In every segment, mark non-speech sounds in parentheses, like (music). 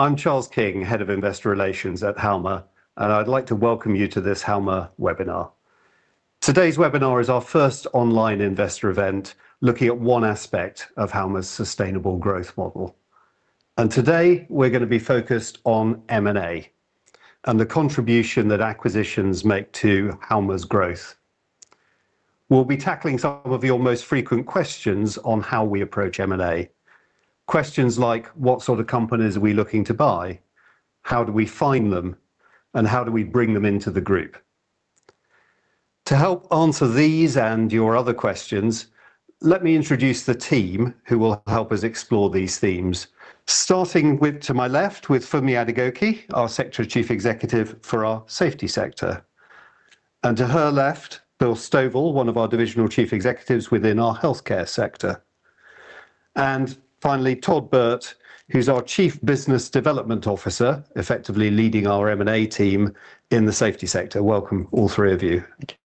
I'm Charles King, Head of Investor Relations at Halma, and I'd like to welcome you to this Halma webinar. Today's webinar is our first online investor event looking at one aspect of Halma's sustainable growth model, and today we're going to be focused on M&A and the contribution that acquisitions make to Halma's growth. We'll be tackling some of your most frequent questions on how we approach M&A, questions like what sort of companies are we looking to buy, how do we find them, and how do we bring them into the group. To help answer these and your other questions, let me introduce the team who will help us explore these themes, starting with to my left with Funmi Adegoke, our Sector Chief Executive for our Safety sector, and to her left, Bill Stovall, one of our divisional chief executives within our Healthcare sector. Finally, Todd Burt, who's our Chief Business Development Officer, effectively leading our M&A team in the safety sector. Welcome, all three of you. Thank you.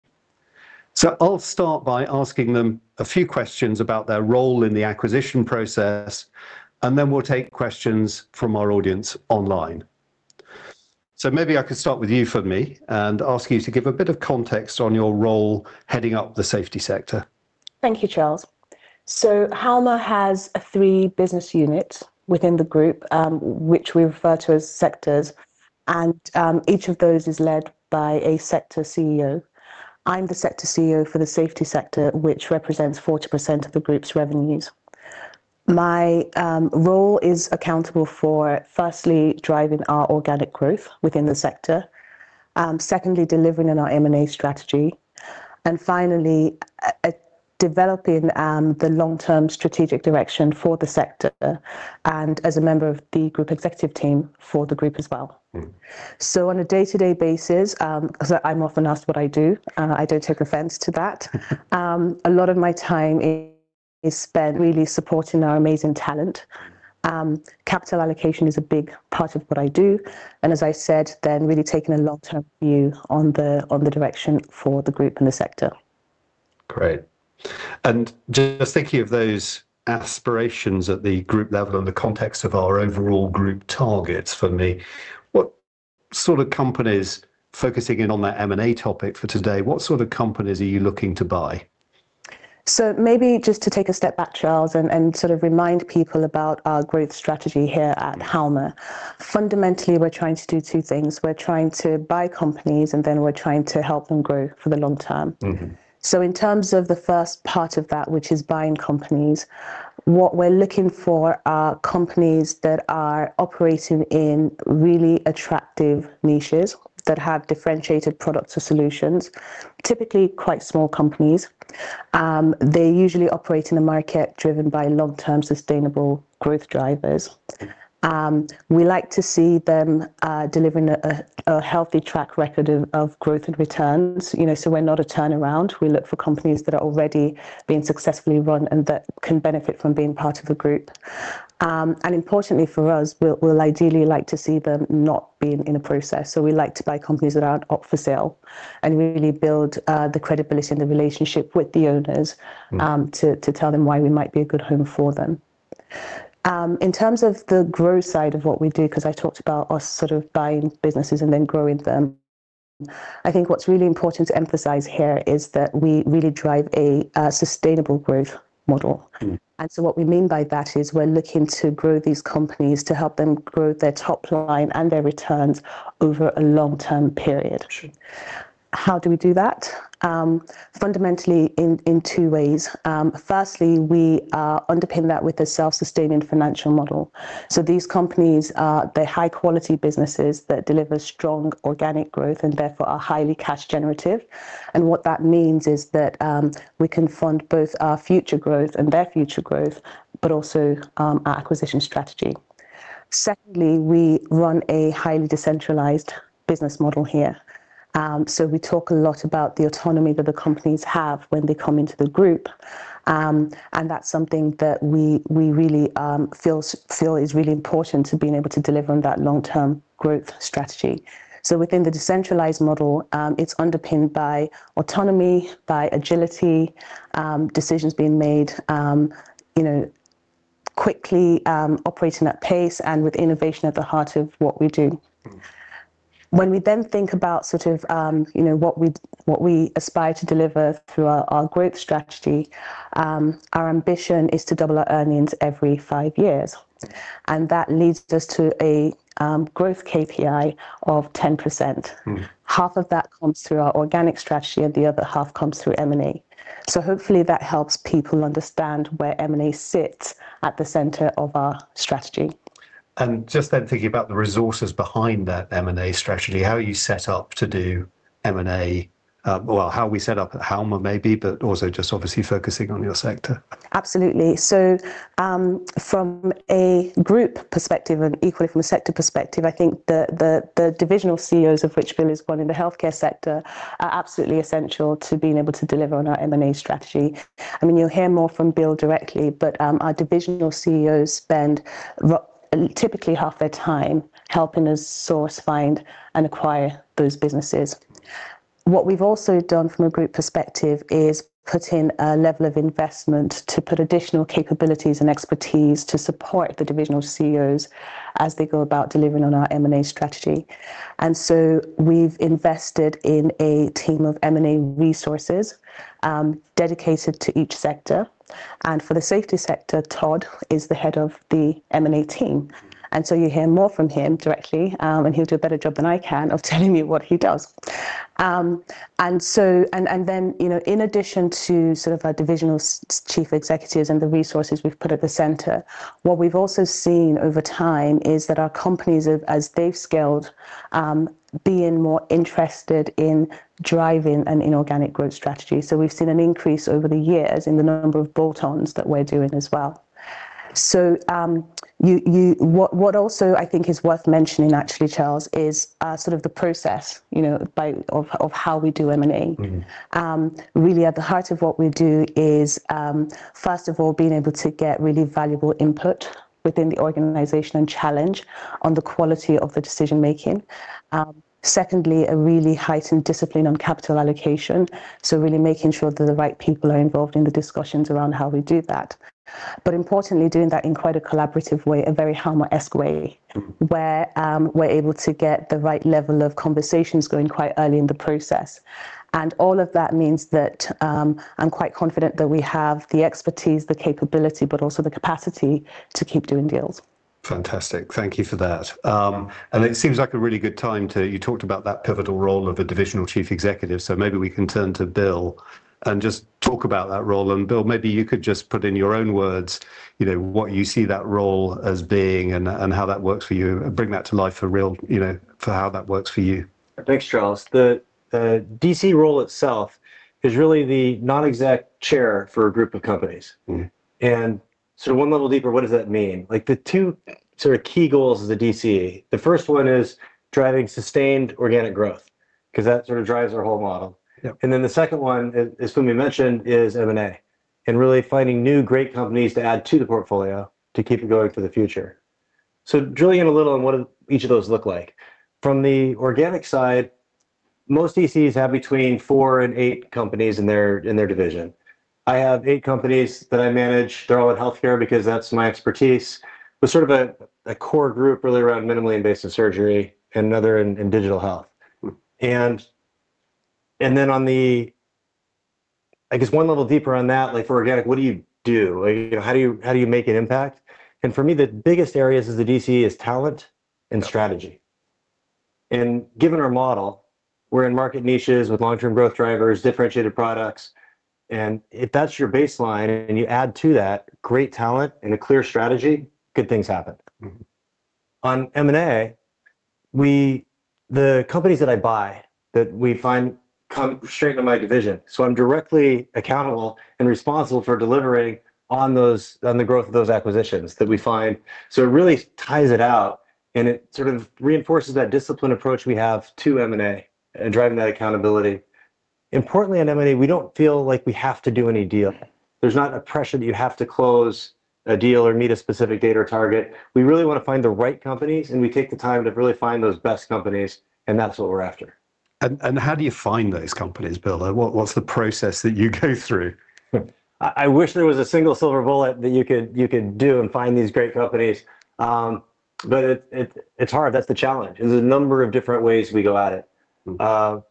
So I'll start by asking them a few questions about their role in the acquisition process, and then we'll take questions from our audience online. So maybe I could start with you, Funmi, and ask you to give a bit of context on your role heading up the safety sector. Thank you, Charles. So Halma has three business units within the group, which we refer to as sectors, and each of those is led by a Sector CEO. I'm the Sector CEO for the Safety sector, which represents 40% of the group's revenues. My role is accountable for, firstly, driving our organic growth within the sector, secondly, delivering on our M&A strategy, and finally, developing the long-term strategic direction for the sector, and as a member of the group executive team for the group as well. So on a day-to-day basis, I'm often asked what I do. I don't take offense to that. A lot of my time is spent really supporting our amazing talent. Capital allocation is a big part of what I do. And as I said, then really taking a long-term view on the direction for the group and the sector. Great and just thinking of those aspirations at the group level and the context of our overall group targets, Funmi, what sort of companies, focusing in on that M&A topic for today, what sort of companies are you looking to buy? So maybe just to take a step back, Charles, and sort of remind people about our growth strategy here at Halma. Fundamentally, we're trying to do two things. We're trying to buy companies, and then we're trying to help them grow for the long term. So in terms of the first part of that, which is buying companies, what we're looking for are companies that are operating in really attractive niches that have differentiated products or solutions, typically quite small companies. They usually operate in a market driven by long-term sustainable growth drivers. We like to see them delivering a healthy track record of growth and returns. So we're not a turnaround. We look for companies that are already being successfully run and that can benefit from being part of a group. And importantly for us, we'll ideally like to see them not being in a process. So we like to buy companies that aren't up for sale and really build the credibility and the relationship with the owners to tell them why we might be a good home for them. In terms of the growth side of what we do, because I talked about us sort of buying businesses and then growing them, I think what's really important to emphasize here is that we really drive a sustainable growth model. And so what we mean by that is we're looking to grow these companies to help them grow their top line and their returns over a long-term period. How do we do that? Fundamentally, in two ways. Firstly, we underpin that with a self-sustaining financial model. So these companies, they're high-quality businesses that deliver strong organic growth and therefore are highly cash generative. What that means is that we can fund both our future growth and their future growth, but also our acquisition strategy. Secondly, we run a highly decentralized business model here. We talk a lot about the autonomy that the companies have when they come into the group. That's something that we really feel is really important to being able to deliver on that long-term growth strategy. Within the decentralized model, it's underpinned by autonomy, by agility, decisions being made quickly, operating at pace, and with innovation at the heart of what we do. When we then think about sort of what we aspire to deliver through our growth strategy, our ambition is to double our earnings every five years. That leads us to a growth KPI of 10%. Half of that comes through our organic strategy and the other half comes through M&A. Hopefully that helps people understand where M&A sits at the center of our strategy. And just then thinking about the resources behind that M&A strategy, how are you set up to do M&A? Well, how are we set up at Halma maybe, but also just obviously focusing on your sector? Absolutely. So from a group perspective and equally from a sector perspective, I think the divisional CEOs, of which Bill is one in the healthcare sector, are absolutely essential to being able to deliver on our M&A strategy. I mean, you'll hear more from Bill directly, but our divisional CEOs spend typically half their time helping us source, find, and acquire those businesses. What we've also done from a group perspective is put in a level of investment to put additional capabilities and expertise to support the divisional CEOs as they go about delivering on our M&A strategy. And so we've invested in a team of M&A resources dedicated to each sector. And for the safety sector, Todd is the head of the M&A team. And so you hear more from him directly, and he'll do a better job than I can of telling you what he does. And then, in addition to sort of our divisional chief executives and the resources we've put at the center, what we've also seen over time is that our companies, as they've scaled, being more interested in driving an inorganic growth strategy. So we've seen an increase over the years in the number of bolt-ons that we're doing as well. So what also I think is worth mentioning, actually, Charles, is sort of the process of how we do M&A. Really, at the heart of what we do is, first of all, being able to get really valuable input within the organization and challenge on the quality of the decision-making. Secondly, a really heightened discipline on capital allocation. So really making sure that the right people are involved in the discussions around how we do that. But importantly, doing that in quite a collaborative way, a very Halma-esque way, where we're able to get the right level of conversations going quite early in the process. And all of that means that I'm quite confident that we have the expertise, the capability, but also the capacity to keep doing deals. Fantastic. Thank you for that. And it seems like a really good time to, you talked about that pivotal role of a Divisional Chief Executive. So maybe we can turn to Bill and just talk about that role. And Bill, maybe you could just put in your own words what you see that role as being and how that works for you. Bring that to life for how that works for you. Thanks, Charles. The DC role itself is really the non-exec chair for a group of companies, and sort of one level deeper, what does that mean? The two sort of key goals of the DC, the first one is driving sustained organic growth, because that sort of drives our whole model, and then the second one, as Funmi mentioned, is M&A and really finding new great companies to add to the portfolio to keep it going for the future, so drilling in a little on what each of those look like. From the organic side, most DCs have between four and eight companies in their division. I have eight companies that I manage. They're all in healthcare because that's my expertise, but sort of a core group really around minimally invasive surgery and another in digital health. And then on the, I guess, one level deeper on that, like for organic, what do you do? How do you make an impact? And for me, the biggest areas of the DC is talent and strategy. And given our model, we're in market niches with long-term growth drivers, differentiated products. And if that's your baseline and you add to that great talent and a clear strategy, good things happen. On M&A, the companies that I buy that we find straight in my division, so I'm directly accountable and responsible for delivering on the growth of those acquisitions that we find. So it really ties it out and it sort of reinforces that discipline approach we have to M&A and driving that accountability. Importantly, in M&A, we don't feel like we have to do any deal. There's not a pressure that you have to close a deal or meet a specific date or target. We really want to find the right companies, and we take the time to really find those best companies, and that's what we're after. How do you find those companies, Bill? What's the process that you go through? I wish there was a single silver bullet that you could do and find these great companies. But it's hard. That's the challenge. There's a number of different ways we go at it.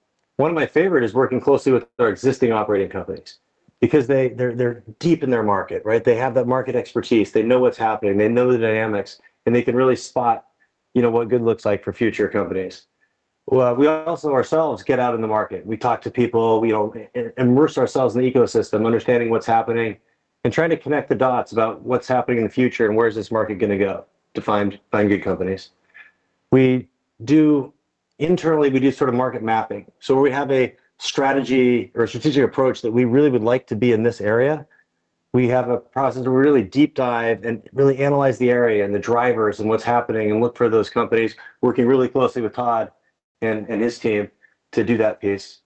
One of my favorites is working closely with our existing operating companies because they're deep in their market. They have that market expertise. They know what's happening. They know the dynamics, and they can really spot what good looks like for future companies. We also ourselves get out in the market. We talk to people, immerse ourselves in the ecosystem, understanding what's happening and trying to connect the dots about what's happening in the future and where's this market going to go to find good companies. Internally, we do sort of market mapping. So we have a strategy or strategic approach that we really would like to be in this area. We have a process where we really deep dive and really analyze the area and the drivers and what's happening and look for those companies, working really closely with Todd and his team to do that piece.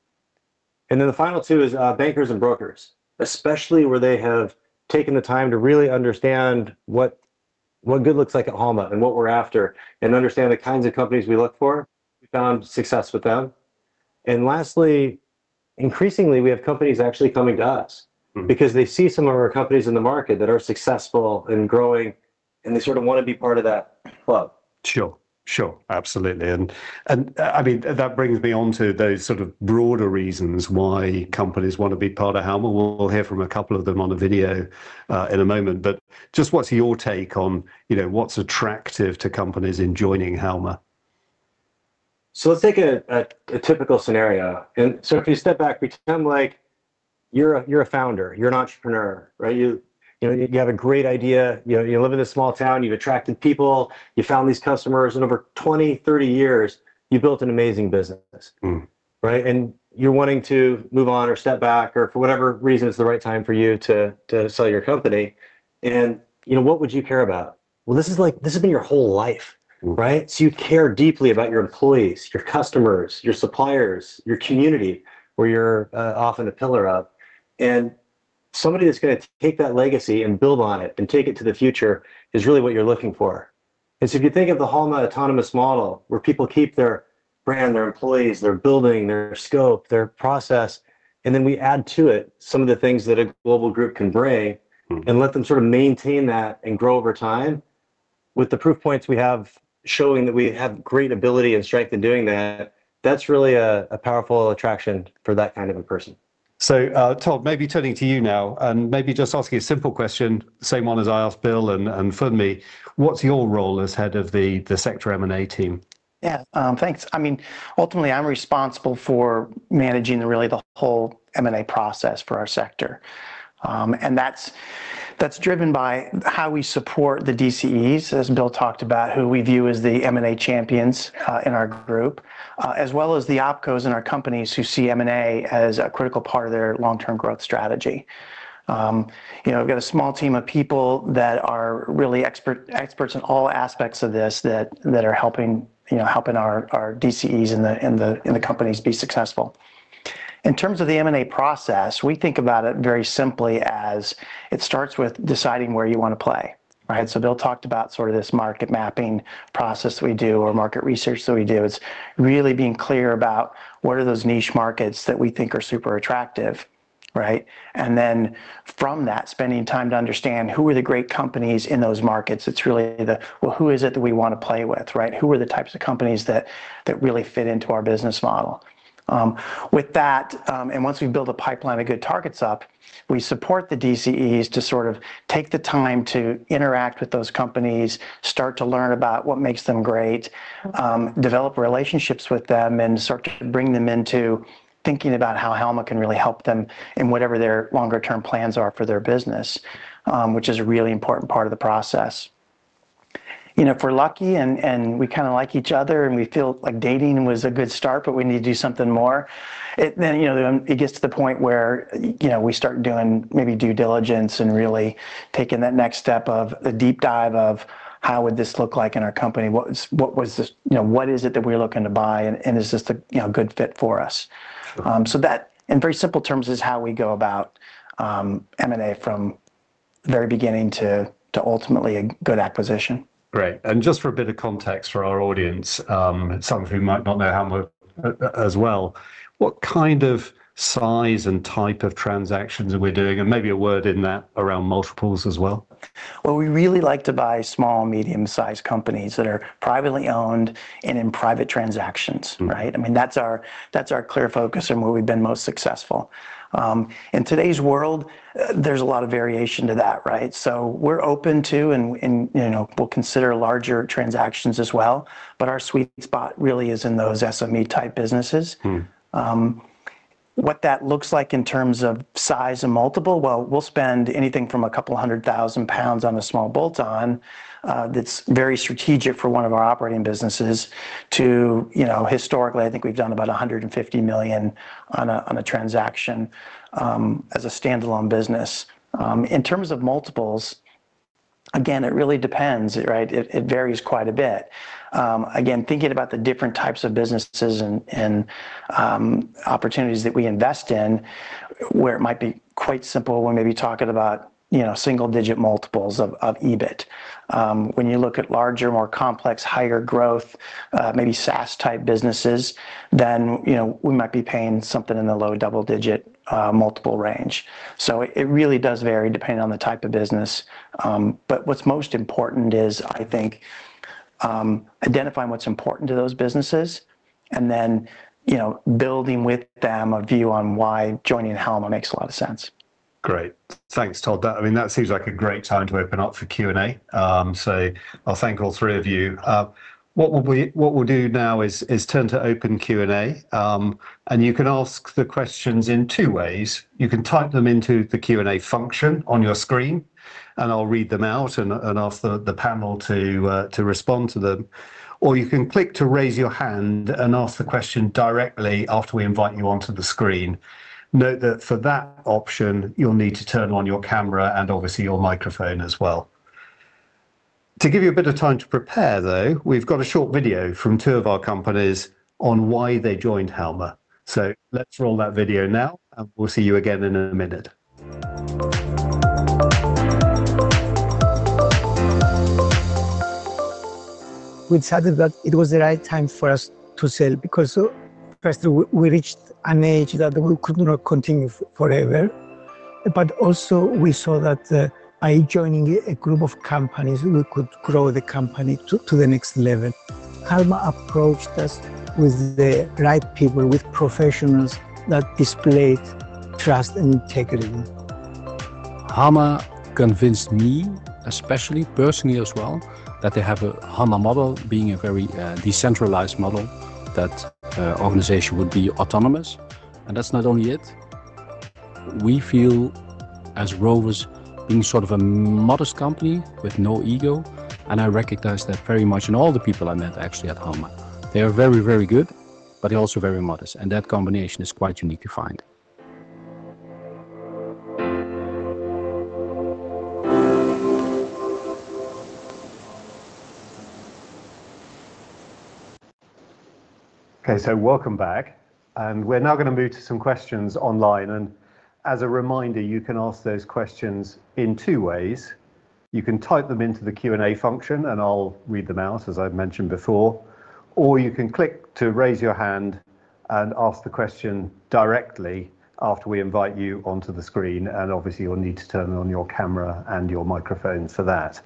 And then the final two is bankers and brokers, especially where they have taken the time to really understand what good looks like at Halma and what we're after and understand the kinds of companies we look for. We found success with them. And lastly, increasingly, we have companies actually coming to us because they see some of our companies in the market that are successful and growing, and they sort of want to be part of that club. Sure. Sure. Absolutely. And I mean, that brings me on to those sort of broader reasons why companies want to be part of Halma. We'll hear from a couple of them on a video in a moment. But just what's your take on what's attractive to companies in joining Halma? So let's take a typical scenario. And so if you step back, pretend like you're a founder, you're an entrepreneur, you have a great idea, you live in a small town, you've attracted people, you found these customers, and over 20-30 years, you built an amazing business. And you're wanting to move on or step back or for whatever reason it's the right time for you to sell your company. And what would you care about? Well, this has been your whole life. So you care deeply about your employees, your customers, your suppliers, your community, where you're often a pillar of. And somebody that's going to take that legacy and build on it and take it to the future is really what you're looking for. And so if you think of the Halma autonomous model where people keep their brand, their employees, their building, their scope, their process, and then we add to it some of the things that a global group can bring and let them sort of maintain that and grow over time with the proof points we have showing that we have great ability and strength in doing that, that's really a powerful attraction for that kind of a person. So Todd, maybe turning to you now and maybe just asking a simple question, same one as I asked Bill and Funmi, what's your role as head of the sector M&A team? Yeah, thanks. I mean, ultimately, I'm responsible for managing really the whole M&A process for our sector. And that's driven by how we support the DCEs, as Bill talked about, who we view as the M&A champions in our group, as well as the opcos in our companies who see M&A as a critical part of their long-term growth strategy. We've got a small team of people that are really experts in all aspects of this that are helping our DCEs and the companies be successful. In terms of the M&A process, we think about it very simply as it starts with deciding where you want to play. So Bill talked about sort of this market mapping process that we do or market research that we do. It's really being clear about what are those niche markets that we think are super attractive. And then from that, spending time to understand who are the great companies in those markets. It's really the, well, who is it that we want to play with? Who are the types of companies that really fit into our business model? With that, and once we build a pipeline of good targets up, we support the DCEs to sort of take the time to interact with those companies, start to learn about what makes them great, develop relationships with them, and start to bring them into thinking about how Halma can really help them in whatever their longer-term plans are for their business, which is a really important part of the process. If we're lucky and we kind of like each other and we feel like dating was a good start, but we need to do something more, then it gets to the point where we start doing maybe due diligence and really taking that next step of a deep dive of how would this look like in our company? What is it that we're looking to buy? And is this a good fit for us? So that, in very simple terms, is how we go about M&A from the very beginning to ultimately a good acquisition. Great. And just for a bit of context for our audience, some of who might not know Halma as well, what kind of size and type of transactions are we doing? And maybe a word in that around multiples as well? We really like to buy small, medium-sized companies that are privately owned and in private transactions. I mean, that's our clear focus and where we've been most successful. In today's world, there's a lot of variation to that. So we're open to and we'll consider larger transactions as well. But our sweet spot really is in those SME-type businesses. What that looks like in terms of size and multiple, we'll spend anything from a couple of hundred thousand pounds on a small bolt-on that's very strategic for one of our operating businesses to historically, I think we've done about £150 million on a transaction as a standalone business. In terms of multiples, again, it really depends. It varies quite a bit. Again, thinking about the different types of businesses and opportunities that we invest in, where it might be quite simple, we may be talking about single-digit multiples of EBIT. When you look at larger, more complex, higher growth, maybe SaaS-type businesses, then we might be paying something in the low double-digit multiple range. So it really does vary depending on the type of business. But what's most important is, I think, identifying what's important to those businesses and then building with them a view on why joining Halma makes a lot of sense. Great. Thanks, Todd. I mean, that seems like a great time to open up for Q&A, so I'll thank all three of you. What we'll do now is turn to open Q&A, and you can ask the questions in two ways. You can type them into the Q&A function on your screen, and I'll read them out and ask the panel to respond to them. Or you can click to raise your hand and ask the question directly after we invite you onto the screen. Note that for that option, you'll need to turn on your camera and obviously your microphone as well. To give you a bit of time to prepare, though, we've got a short video from two of our companies on why they joined Halma, so let's roll that video now, and we'll see you again in a minute. We decided that it was the right time for us to sell because, first, we reached an age that we could not continue forever. But also, we saw that by joining a group of companies, we could grow the company to the next level. Halma approached us with the right people, with professionals that displayed trust and integrity. Halma convinced me, especially personally as well, that they have a Halma model being a very decentralized model, that organization would be autonomous. And that's not only it. We feel, as Rovers, being sort of a modest company with no ego. And I recognize that very much in all the people I met actually at Halma. They are very, very good, but they're also very modest. And that combination is quite unique to find. Okay, so welcome back. We're now going to move to some questions online. As a reminder, you can ask those questions in two ways. You can type them into the Q&A function, and I'll read them out, as I've mentioned before. Or you can click to raise your hand and ask the question directly after we invite you onto the screen. Obviously, you'll need to turn on your camera and your microphone for that.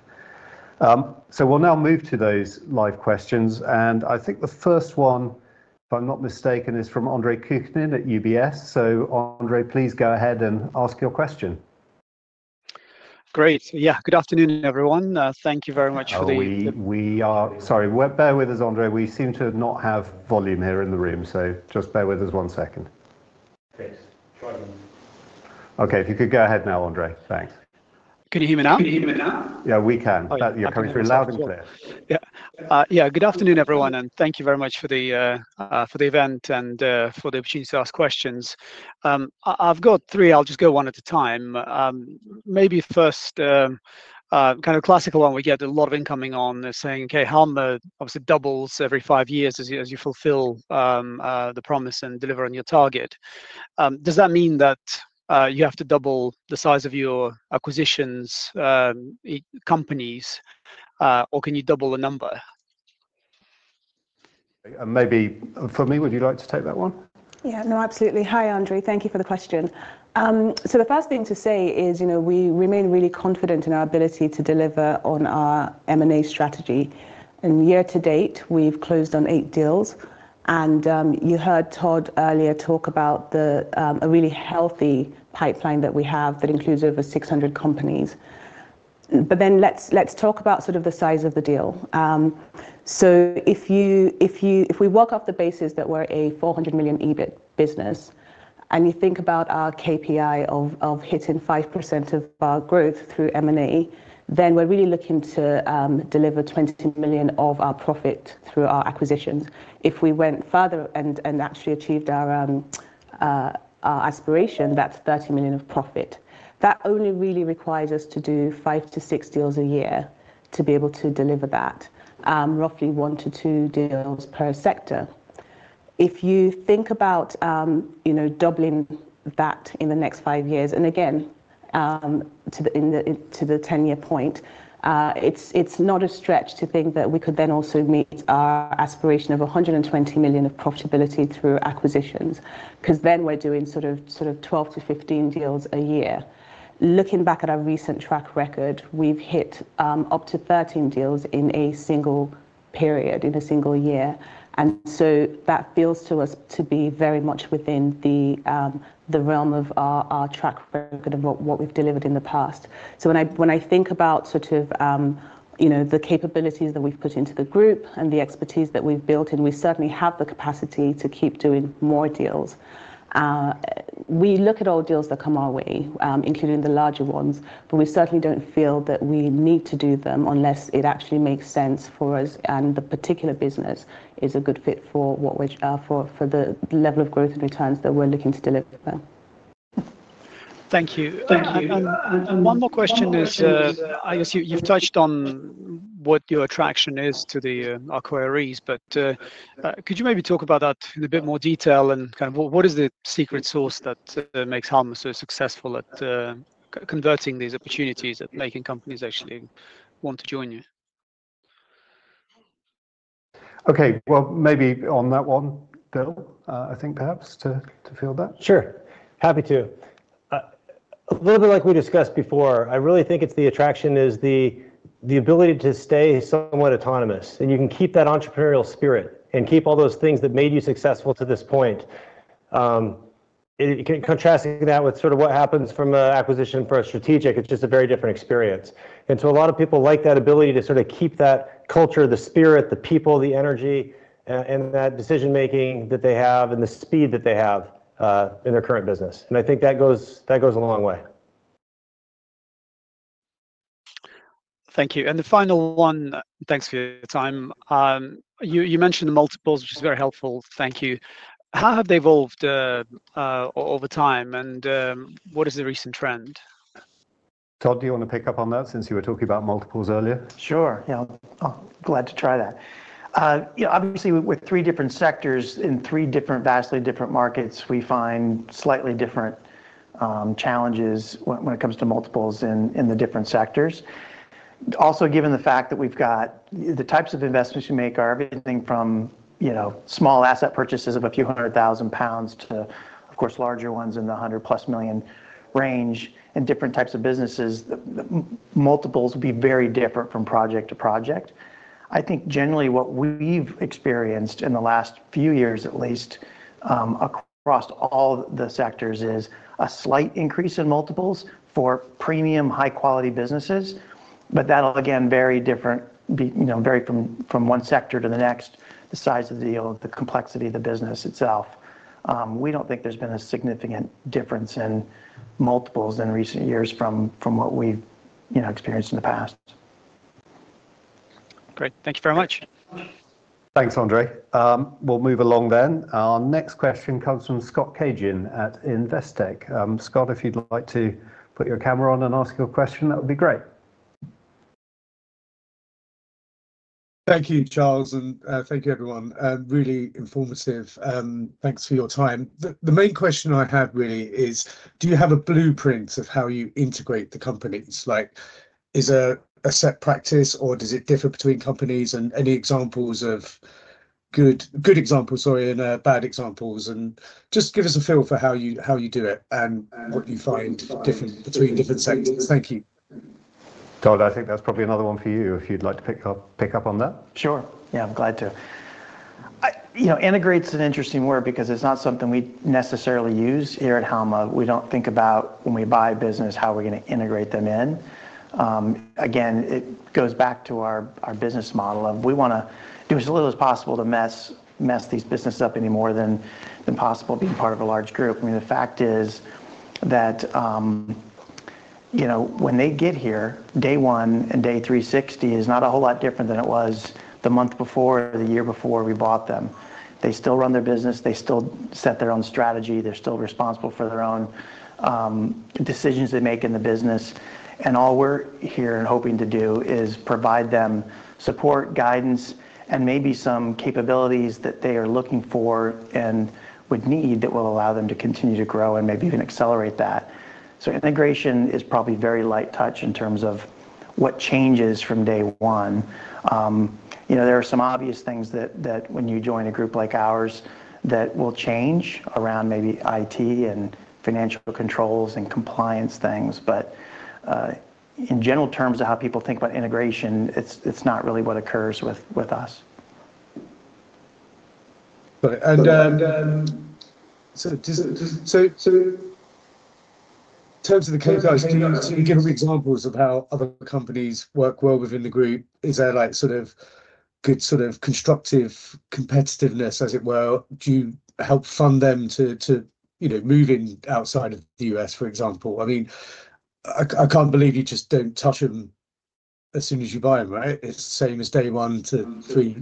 We'll now move to those live questions. I think the first one, if I'm not mistaken, is from Andre Kukhnin at UBS. Andre, please go ahead and ask your question. Great. Yeah, good afternoon, everyone. Thank you very much (crosstalk) for the. Sorry, bear with us, Andre. We seem to not have volume here in the room. So just bear with us one second. Okay, if you could go ahead now, Andre. Thanks. Can you hear me now? Yeah, we (crosstalk) can. You're coming through loud and clear. Yeah. Yeah, good afternoon, everyone, and thank you very much for the event and for the opportunity to ask questions. I've got three. I'll just go one at a time. Maybe first, kind of classical one. We get a lot of incoming on saying, okay, Halma obviously doubles every five years as you fulfill the promise and deliver on your target. Does that mean that you have to double the size of your acquisitions, companies, or can you double the number? Maybe Funmi, would you like to take that one? Yeah, no, absolutely. Hi, Andre. Thank you for the question. So the first thing to say is we remain really confident in our ability to deliver on our M&A strategy. And year to date, we've closed on eight deals. And you heard Todd earlier talk about a really healthy pipeline that we have that includes over 600 companies. But then let's talk about sort of the size of the deal. So if we work off the basis that we're a 400 million EBIT business and you think about our KPI of hitting 5% of our growth through M&A, then we're really looking to deliver 20 million of our profit through our acquisitions. If we went further and actually achieved our aspiration, that's 30 million of profit. That only really requires us to do five to six deals a year to be able to deliver that, roughly one to two deals per sector. If you think about doubling that in the next five years, and again, to the 10-year point, it's not a stretch to think that we could then also meet our aspiration of 120 million of profitability through acquisitions because then we're doing sort of 12-15 deals a year. Looking back at our recent track record, we've hit up to 13 deals in a single period, in a single year. And so that feels to us to be very much within the realm of our track record of what we've delivered in the past. So when I think about sort of the capabilities that we've put into the group and the expertise that we've built, and we certainly have the capacity to keep doing more deals. We look at all deals that come our way, including the larger ones, but we certainly don't feel that we need to do them unless it actually makes sense for us and the particular business is a good fit for the level of growth and returns that we're looking to deliver. Thank you. And one more question is, I guess you've touched on what your attraction is to the acquirees, but could you maybe talk about that in a bit more detail and kind of what is the secret sauce that makes Halma so successful at converting these opportunities that making companies actually want to join you? Okay, well, maybe on that one, Bill, I think perhaps to fill that. Sure. Happy to. A little bit like we discussed before, I really think the attraction is the ability to stay somewhat autonomous. And you can keep that entrepreneurial spirit and keep all those things that made you successful to this point. Contrasting that with sort of what happens from an acquisition for a strategic, it's just a very different experience. And so a lot of people like that ability to sort of keep that culture, the spirit, the people, the energy, and that decision-making that they have and the speed that they have in their current business. And I think that goes a long way. Thank you, and the final one, thanks for your time. You mentioned the multiples, which is very helpful. Thank you. How have they evolved over time, and what is the recent trend? Todd, do you want to pick up on that since you were talking about multiples earlier? Sure. Yeah, I'm glad to try that. Obviously, with three different sectors in three different vastly different markets, we find slightly different challenges when it comes to multiples in the different sectors. Also, given the fact that we've got the types of investments we make are everything from small asset purchases of a few hundred thousand pounds to, of course, larger ones in the 100-plus million range and different types of businesses, multiples would be very different from project to project. I think generally what we've experienced in the last few years, at least across all the sectors, is a slight increase in multiples for premium, high-quality businesses. But that'll, again, vary differently from one sector to the next, the size of the deal, the complexity of the business itself. We don't think there's been a significant difference in multiples in recent years from what we've experienced in the past. Great. Thank you very much. Thanks, Andre. We'll move along then. Our next question comes from Scott Cagehin at Investec. Scott, if you'd like to put your camera on and ask your question, that would be great. Thank you, Charles. And thank you, everyone. Really informative. Thanks for your time. The main question I have really is, do you have a blueprint of how you integrate the companies? Is there a set practice, or does it differ between companies? And any examples of good examples, sorry, and bad examples? And just give us a feel for how you do it and what you find different between different sectors. Thank you. Todd, I think that's probably another one for you if you'd like to pick up on that. Sure. Yeah, I'm glad to. Integration's an interesting word because it's not something we necessarily use here at Halma. We don't think about when we buy a business how we're going to integrate them in. Again, it goes back to our business model of we want to do as little as possible to mess these businesses up any more than possible being part of a large group. I mean, the fact is that when they get here, day one and day 360 is not a whole lot different than it was the month before or the year before we bought them. They still run their business. They still set their own strategy. They're still responsible for their own decisions they make in the business. And all we're here and hoping to do is provide them support, guidance, and maybe some capabilities that they are looking for and would need that will allow them to continue to grow and maybe even accelerate that. So integration is probably very light touch in terms of what changes from day one. There are some obvious things that when you join a group like ours that will change around maybe IT and financial controls and compliance things. But in general terms of how people think about integration, it's not really what occurs with us. In terms of the companies, can you give examples of how other companies work well within the group? Is there sort of good sort of constructive competitiveness, as it were? Do you help fund them to move in outside of the US, for example? I mean, I can't believe you just don't touch them as soon as you buy them, right? It's the same as day one to three.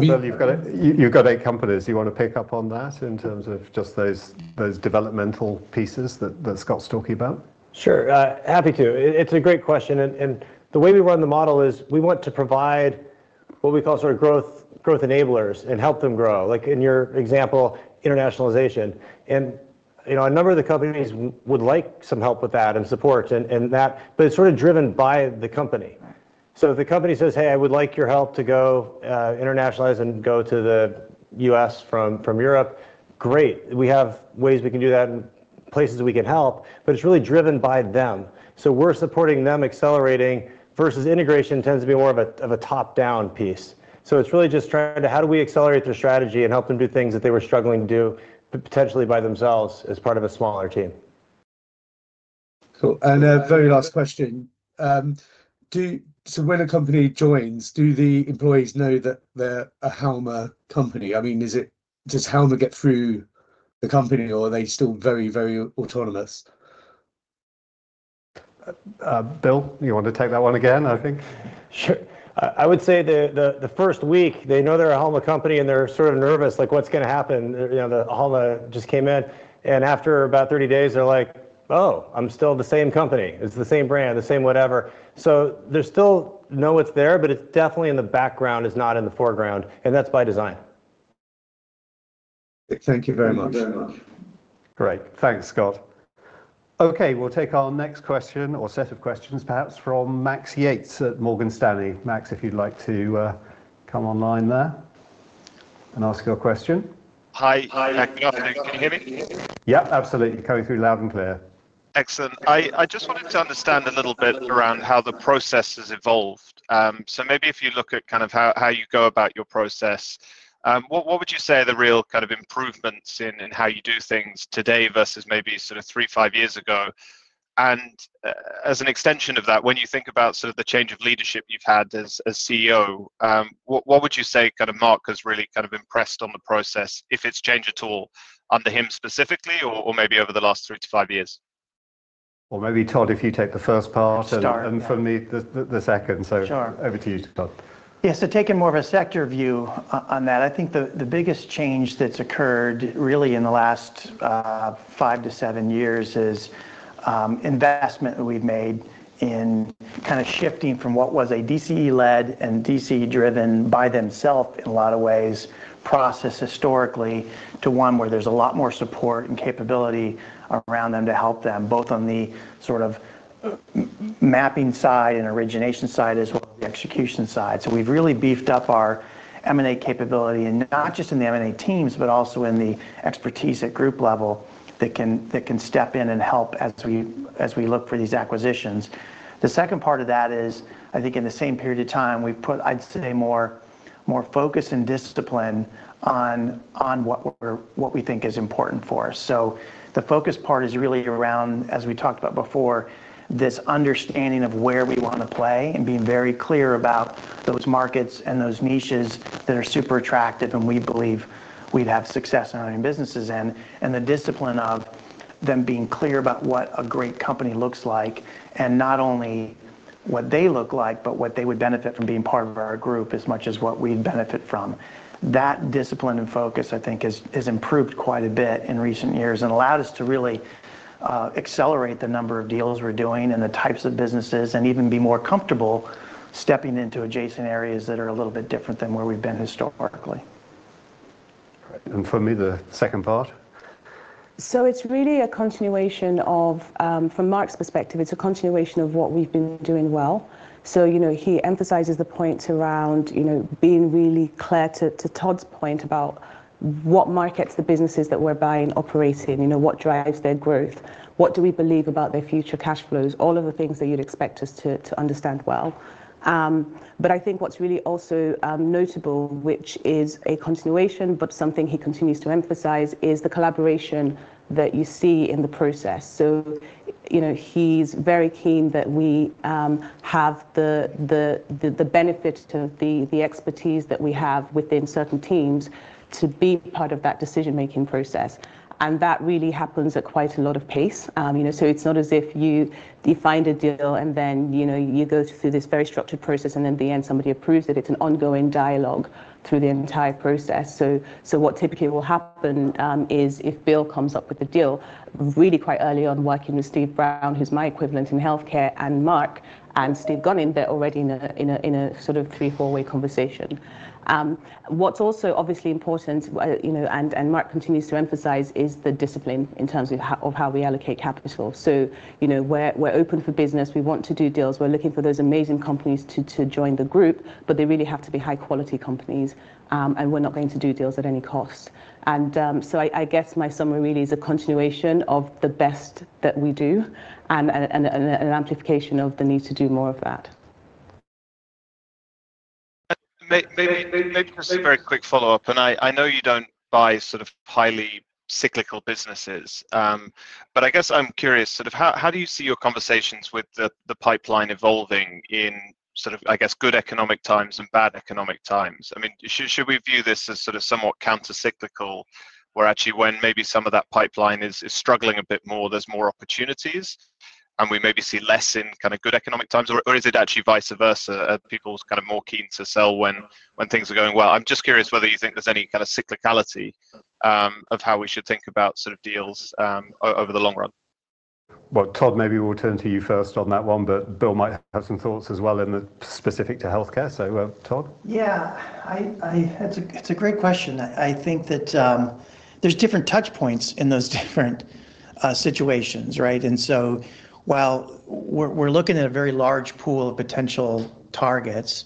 You've got eight companies. Do you want to pick up on that in terms of just those developmental pieces that Scott's talking about? Sure. Happy to. It's a great question, and the way we run the model is we want to provide what we call sort of growth enablers and help them grow. Like in your example, internationalization, and a number of the companies would like some help with that and support, but it's sort of driven by the company. So if the company says, "Hey, I would like your help to go internationalize and go to the US from Europe," great. We have ways we can do that and places we can help, but it's really driven by them. So we're supporting them accelerating versus integration tends to be more of a top-down piece. So it's really just trying to how do we accelerate their strategy and help them do things that they were struggling to do potentially by themselves as part of a smaller team. And a very last question. So when a company joins, do the employees know that they're a Halma company? I mean, does Halma get through the company, or are they still very, very autonomous? Bill, you want to take that one again, I think? Sure. I would say the first week, they know they're a Halma company and they're sort of nervous, like what's going to happen. The Halma just came in. And after about 30 days, they're like, "Oh, I'm still the same company. It's the same brand, the same whatever." So they still know it's there, but it's definitely in the background, is not in the foreground. And that's by design. Thank you very much. Great. Thanks, Scott. Okay, we'll take our next question or set of questions, perhaps, from Max Yates at Morgan Stanley. Max, if you'd like to come online there and ask your question. Hi. Can you hear me? Yep, absolutely. Coming through loud and clear. Excellent. I just wanted to understand a little bit around how the process has evolved. So maybe if you look at kind of how you go about your process, what would you say are the real kind of improvements in how you do things today versus maybe sort of three, five years ago? And as an extension of that, when you think about sort of the change of leadership you've had as CEO, what would you say kind of Marc has really kind of impressed on the process, if it's changed at all, under him specifically or maybe over the last three to five years? Well, maybe Todd, if you take the first part (crosstalk) and Funmi, the second. So over to you, Todd. Yeah, so taking more of a sector view on that, I think the biggest change that's occurred really in the last five to seven years is investment that we've made in kind of shifting from what was a DCE-led and DCE-driven by themselves in a lot of ways, process historically, to one where there's a lot more support and capability around them to help them, both on the sort of mapping side and origination side as well as the execution side. So we've really beefed up our M&A capability, and not just in the M&A teams, but also in the expertise at group level that can step in and help as we look for these acquisitions. The second part of that is, I think in the same period of time, we've put, I'd say, more focus and discipline on what we think is important for us. So the focus part is really around, as we talked about before, this understanding of where we want to play and being very clear about those markets and those niches that are super attractive and we believe we'd have success in our own businesses in, and the discipline of them being clear about what a great company looks like and not only what they look like, but what they would benefit from being part of our group as much as what we'd benefit from. That discipline and focus, I think, has improved quite a bit in recent years and allowed us to really accelerate the number of deals we're doing and the types of businesses and even be more comfortable stepping into adjacent areas that are a little bit different than where we've been historically. Funmi, the second part? It's really a continuation of, from Marc's perspective, it's a continuation of what we've been doing well. He emphasizes the points around being really clear to Todd's point about what markets the businesses that we're buying operate in, what drives their growth, what do we believe about their future cash flows, all of the things that you'd expect us to understand well. But I think what's really also notable, which is a continuation, but something he continues to emphasize, is the collaboration that you see in the process. He's very keen that we have the benefit of the expertise that we have within certain teams to be part of that decision-making process. And that really happens at quite a lot of pace. It's not as if you find a deal and then you go through this very structured process, and in the end, somebody approves it. It's an ongoing dialogue through the entire process. So what typically will happen is if Bill comes up with a deal, really quite early on, working with Steve Brown, who's my equivalent in healthcare, and Marc and Steve Gunning, they're already in a sort of three, four-way conversation. What's also obviously important, and Marc continues to emphasize, is the discipline in terms of how we allocate capital. So we're open for business. We want to do deals. We're looking for those amazing companies to join the group, but they really have to be high-quality companies, and we're not going to do deals at any cost. And so I guess my summary really is a continuation of the best that we do and an amplification of the need to do more of that. Maybe just a very quick follow-up. And I know you don't buy sort of highly cyclical businesses, but I guess I'm curious, sort of how do you see your conversations with the pipeline evolving in sort of, I guess, good economic times and bad economic times? I mean, should we view this as sort of somewhat counter-cyclical, where actually when maybe some of that pipeline is struggling a bit more, there's more opportunities, and we maybe see less in kind of good economic times, or is it actually vice versa, people kind of more keen to sell when things are going well? I'm just curious whether you think there's any kind of cyclicality of how we should think about sort of deals over the long run? Well, Todd, maybe we'll turn to you first on that one, but Bill might have some thoughts as well specific to healthcare. So, Todd? Yeah. It's a great question. I think that there's different touch points in those different situations, right? And so while we're looking at a very large pool of potential targets,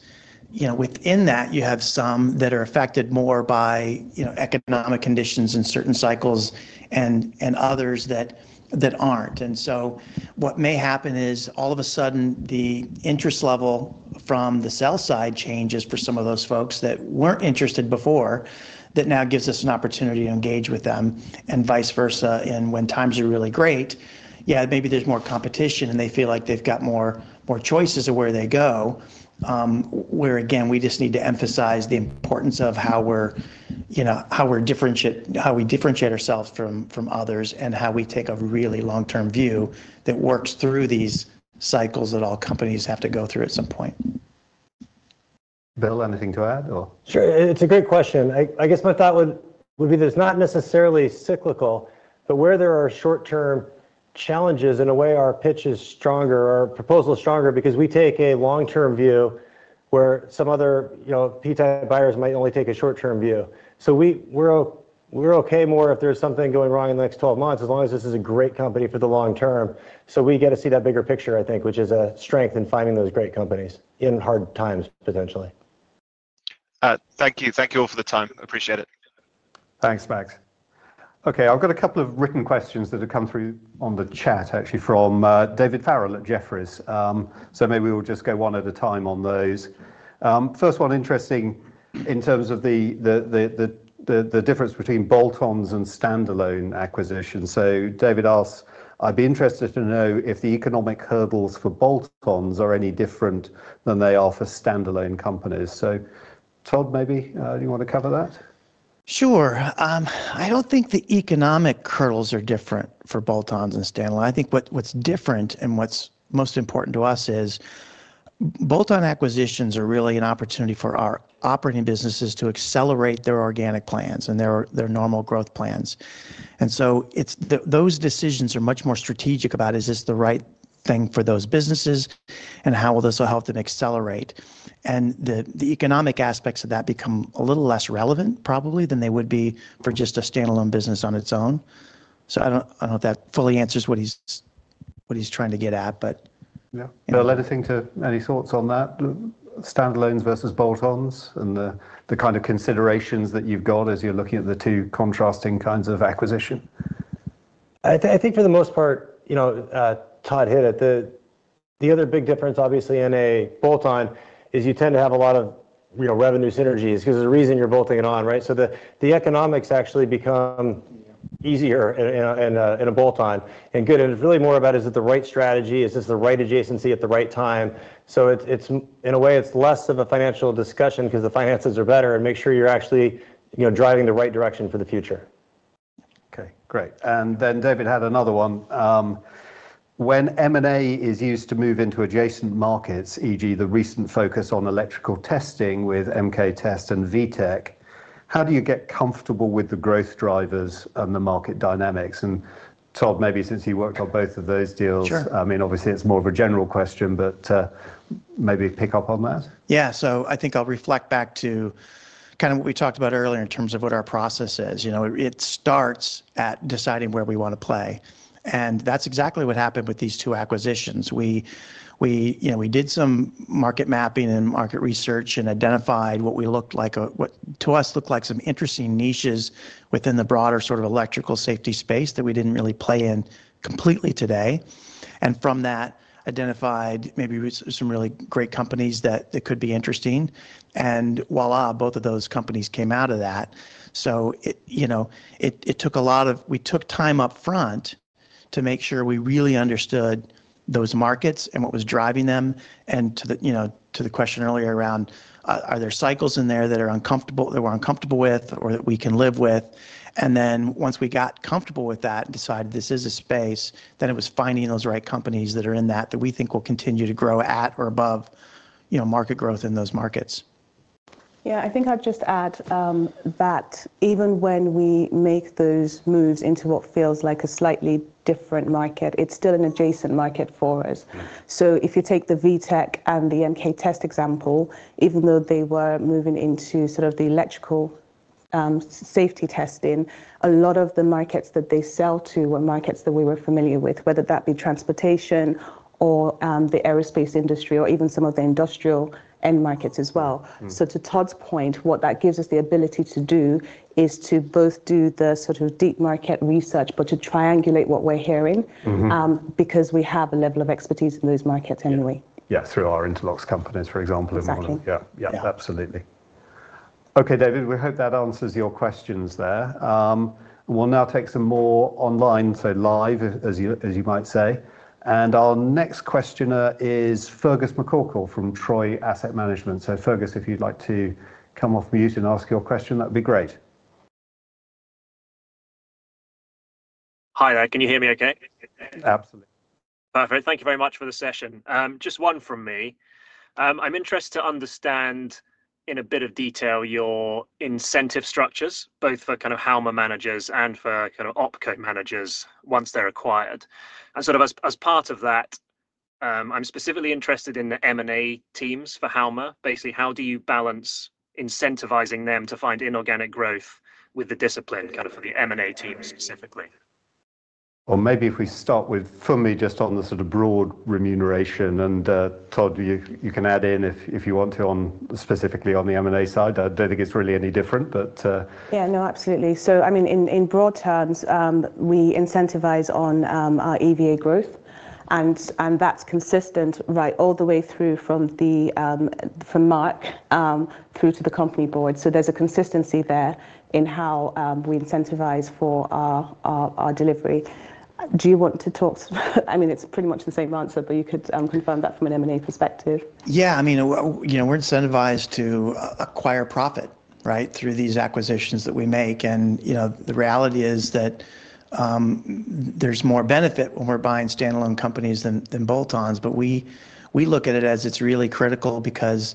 within that, you have some that are affected more by economic conditions in certain cycles and others that aren't. And so what may happen is all of a sudden, the interest level from the sell side changes for some of those folks that weren't interested before that now gives us an opportunity to engage with them and vice versa. When times are really great, yeah, maybe there's more competition and they feel like they've got more choices of where they go. Where, again, we just need to emphasize the importance of how we differentiate ourselves from others and how we take a really long-term view that works through these cycles that all companies have to go through at some point. Bill, anything to add, or? Sure. It's a great question. I guess my thought would be that it's not necessarily cyclical, but where there are short-term challenges, in a way, our pitch is stronger, our proposal is stronger because we take a long-term view where some other PE-type buyers might only take a short-term view. So we're okay more if there's something going wrong in the next 12 months as long as this is a great company for the long term. So we get to see that bigger picture, I think, which is a strength in finding those great companies in hard times, potentially. Thank you. Thank you all for the time. Appreciate it. Thanks, Max. Okay, I've got a couple of written questions that have come through on the chat, actually, from David Farrell at Jefferies. So maybe we'll just go one at a time on those. First one, interesting in terms of the difference between bolt-ons and standalone acquisitions. So David asks, "I'd be interested to know if the economic hurdles for bolt-ons are any different than they are for standalone companies." So Todd, maybe you want to cover that? Sure. I don't think the economic hurdles are different for bolt-ons and standalone. I think what's different and what's most important to us is bolt-on acquisitions are really an opportunity for our operating businesses to accelerate their organic plans and their normal growth plans. And so those decisions are much more strategic about, is this the right thing for those businesses and how will this help them accelerate? And the economic aspects of that become a little less relevant, probably, than they would be for just a standalone business on its own. So I don't know if that fully answers what he's trying to get at, but. Yeah. Bill, anything? Any thoughts on that, standalones versus bolt-ons and the kind of considerations that you've got as you're looking at the two contrasting kinds of acquisition? I think for the most part, Todd hit it. The other big difference, obviously, in a bolt-on is you tend to have a lot of revenue synergies because there's a reason you're bolting it on, right? So the economics actually become easier in a bolt-on. And really more about, is it the right strategy? Is this the right adjacency at the right time? So in a way, it's less of a financial discussion because the finances are better and make sure you're actually driving the right direction for the future. Okay, great, and then David had another one. When M&A is used to move into adjacent markets, e.g., the recent focus on electrical testing with MK Test and WEETECH, how do you get comfortable with the growth drivers and the market dynamics? And Todd, maybe since you worked on both of those deals, I mean, obviously, it's more of a general question, but maybe pick up on that. Yeah. So I think I'll reflect back to kind of what we talked about earlier in terms of what our process is. It starts at deciding where we want to play. And that's exactly what happened with these two acquisitions. We did some market mapping and market research and identified what to us looked like some interesting niches within the broader sort of electrical safety space that we didn't really play in completely today. And from that, identified maybe some really great companies that could be interesting. And voila, both of those companies came out of that. So it took a lot of time upfront to make sure we really understood those markets and what was driving them. And to the question earlier around, are there cycles in there that we're uncomfortable with or that we can live with? And then once we got comfortable with that and decided this is a space, then it was finding those right companies that are in that we think will continue to grow at or above market growth in those markets. Yeah, I think I'd just add that even when we make those moves into what feels like a slightly different market, it's still an adjacent market for us. So if you take the WEETECH and the MK Test example, even though they were moving into sort of the electrical safety testing, a lot of the markets that they sell to were markets that we were familiar with, whether that be transportation or the aerospace industry or even some of the industrial end markets as well. So to Todd's point, what that gives us the ability to do is to both do the sort of deep market research, but to triangulate what we're hearing because we have a level of expertise in those markets anyway. Yeah, through our interlocks companies, for example. Exactly. Yeah, absolutely. Okay, David, we hope that answers your questions there. We'll now take some more online, so live, as you might say. And our next questioner is Fergus McCorkle from Troy Asset Management. So Fergus, if you'd like to come off mute and ask your question, that would be great. Hi, there. Can you hear me okay? Absolutely. Perfect. Thank you very much for the session. Just one from me. I'm interested to understand in a bit of detail your incentive structures, both for kind of Halma managers and for kind of Opco managers once they're acquired. And sort of as part of that, I'm specifically interested in the M&A teams for Halma. Basically, how do you balance incentivizing them to find inorganic growth with the discipline kind of for the M&A team specifically? Maybe if we start with Funmi just on the sort of broad remuneration. Todd, you can add in if you want to, specifically on the M&A side. I don't think it's really any different, but. Yeah, no, absolutely. So I mean, in broad terms, we incentivize on our EVA growth, and that's consistent all the way through from Marc through to the company board. So there's a consistency there in how we incentivize for our delivery. Do you want to talk? I mean, it's pretty much the same answer, but you could confirm that from an M&A perspective. Yeah, I mean, we're incentivized to acquire profit through these acquisitions that we make. And the reality is that there's more benefit when we're buying standalone companies than bolt-ons. But we look at it as it's really critical because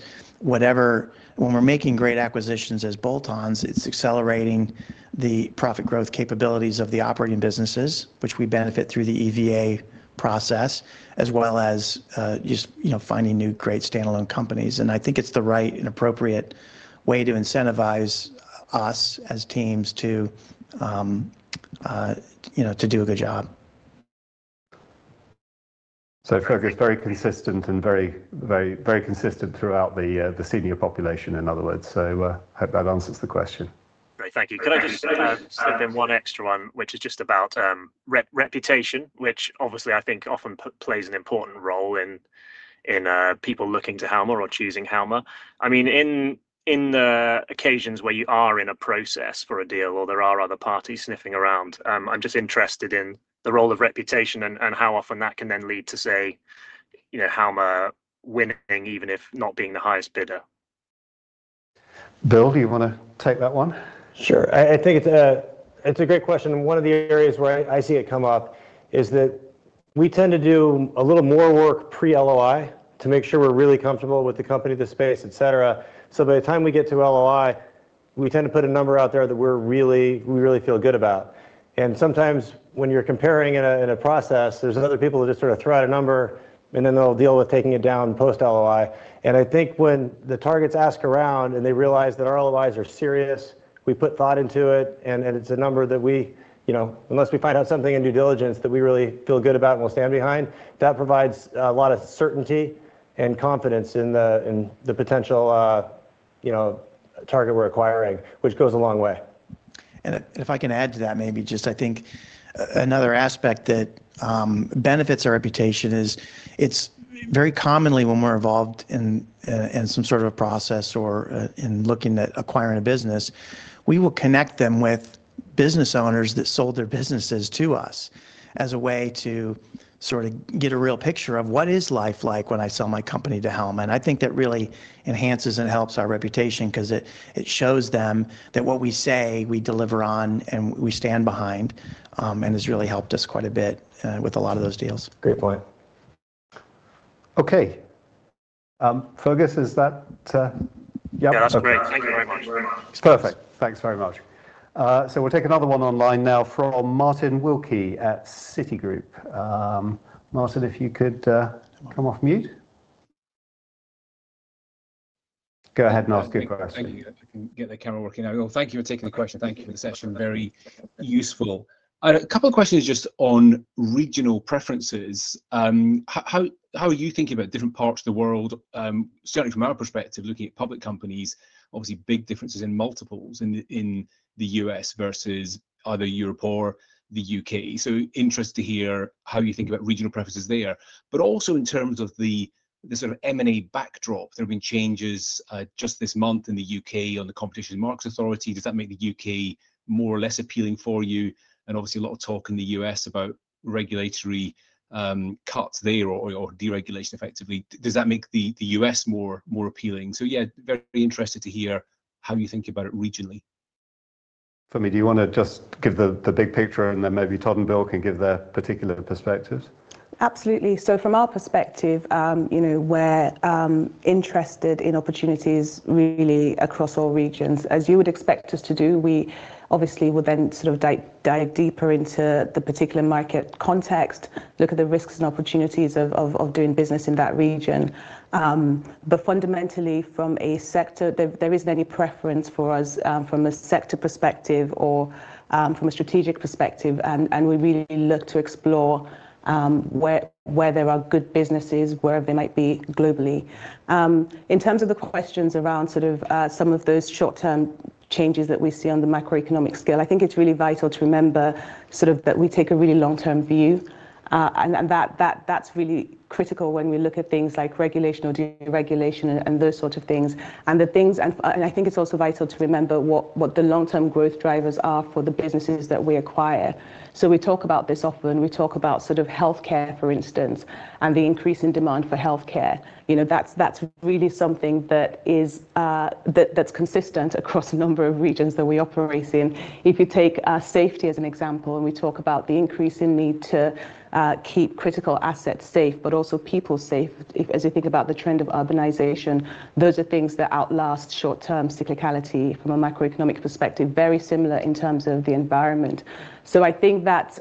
when we're making great acquisitions as bolt-ons, it's accelerating the profit growth capabilities of the operating businesses, which we benefit through the EVA process, as well as just finding new great standalone companies. And I think it's the right and appropriate way to incentivize us as teams to do a good job. So Fergus is very consistent and very consistent throughout the senior population, in other words. So I hope that answers the question. Great. Thank you. Could I just step in one extra one, which is just about reputation, which obviously I think often plays an important role in people looking to Halma or choosing Halma. I mean, in the occasions where you are in a process for a deal or there are other parties sniffing around, I'm just interested in the role of reputation and how often that can then lead to, say, Halma winning, even if not being the highest bidder? Bill, do you want to take that one? Sure. I think it's a great question. One of the areas where I see it come up is that we tend to do a little more work pre-LOI to make sure we're really comfortable with the company, the space, etc., so by the time we get to LOI, we tend to put a number out there that we really feel good about, and sometimes when you're comparing in a process, there's other people that just sort of throw out a number, and then they'll deal with taking it down post-LOI. I think when the targets ask around and they realize that our LOIs are serious, we put thought into it, and it's a number that unless we find out something in due diligence that we really feel good about and we'll stand behind, that provides a lot of certainty and confidence in the potential target we're acquiring, which goes a long way. And if I can add to that, maybe just I think another aspect that benefits our reputation is very commonly when we're involved in some sort of a process or in looking at acquiring a business, we will connect them with business owners that sold their businesses to us as a way to sort of get a real picture of what is life like when I sell my company to Halma. And I think that really enhances and helps our reputation because it shows them that what we say we deliver on and we stand behind and has really helped us quite a bit with a lot of those deals. Great point. Okay. Fergus, is that you? Yeah, that's great. Thank you very much. It's perfect. Thanks very much. So we'll take another one online now from Martin Wilkie at Citigroup. Martin, if you could come off mute. Go ahead and ask your question. Thank you. I can get the camera working now. Thank you for taking the question. Thank you for the session. Very useful. A couple of questions just on regional preferences. How are you thinking about different parts of the world? Certainly from our perspective, looking at public companies, obviously big differences in multiples in the U.S. versus either Europe or the U.K. So interested to hear how you think about regional preferences there. But also in terms of the sort of M&A backdrop, there have been changes just this month in the U.K. on the Competition and Markets Authority. Does that make the U.K. more or less appealing for you? And obviously a lot of talk in the U.S. about regulatory cuts there or deregulation, effectively. Does that make the U.S. more appealing? So yeah, very interested to hear how you think about it regionally. Funmi, do you want to just give the big picture and then maybe Todd and Bill can give their particular perspectives? Absolutely. So from our perspective, we're interested in opportunities really across all regions. As you would expect us to do, we obviously would then sort of dive deeper into the particular market context, look at the risks and opportunities of doing business in that region. But fundamentally, from a sector, there isn't any preference for us from a sector perspective or from a strategic perspective. And we really look to explore where there are good businesses, where they might be globally. In terms of the questions around sort of some of those short-term changes that we see on the macroeconomic scale, I think it's really vital to remember sort of that we take a really long-term view. And that's really critical when we look at things like regulation or deregulation and those sort of things. And I think it's also vital to remember what the long-term growth drivers are for the businesses that we acquire. So we talk about this often. We talk about sort of healthcare, for instance, and the increase in demand for healthcare. That's really something that's consistent across a number of regions that we operate in. If you take safety as an example and we talk about the increase in need to keep critical assets safe, but also people safe, as you think about the trend of urbanization, those are things that outlast short-term cyclicality from a macroeconomic perspective, very similar in terms of the environment. So I think that's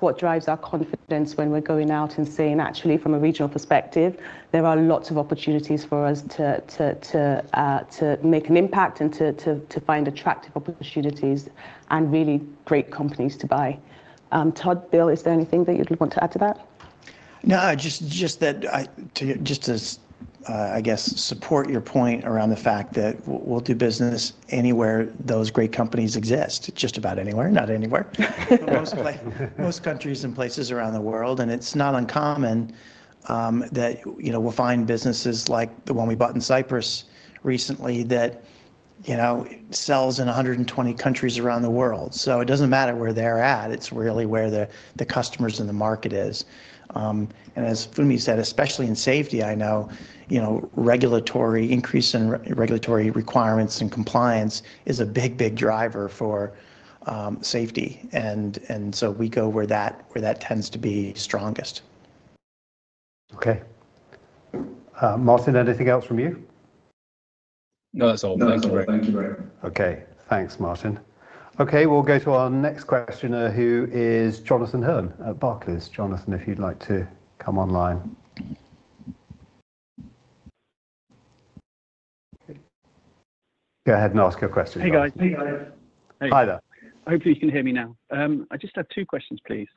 what drives our confidence when we're going out and saying, actually, from a regional perspective, there are lots of opportunities for us to make an impact and to find attractive opportunities and really great companies to buy. Todd, Bill, is there anything that you'd want to add to that? No, just that, just to, I guess, support your point around the fact that we'll do business anywhere those great companies exist, just about anywhere, not anywhere, most countries and places around the world, and it's not uncommon that we'll find businesses like the one we bought in Cyprus recently that sells in 120 countries around the world, so it doesn't matter where they're at. It's really where the customers and the market is, and as Funmi said, especially in safety, I know regulatory increase in regulatory requirements and compliance is a big, big driver for safety, and so we go where that tends to be strongest. Okay. Martin, anything else from you? No, that's all. Thank you. Okay, thanks, Martin. Okay, we'll go to our next questioner, who is Jonathan Hurn at Barclays. Jonathan, if you'd like to come online. Go ahead and ask your question. Hey, guys. Hey, guys. Hi there. Hopefully, you can hear me now. I just have two questions, please.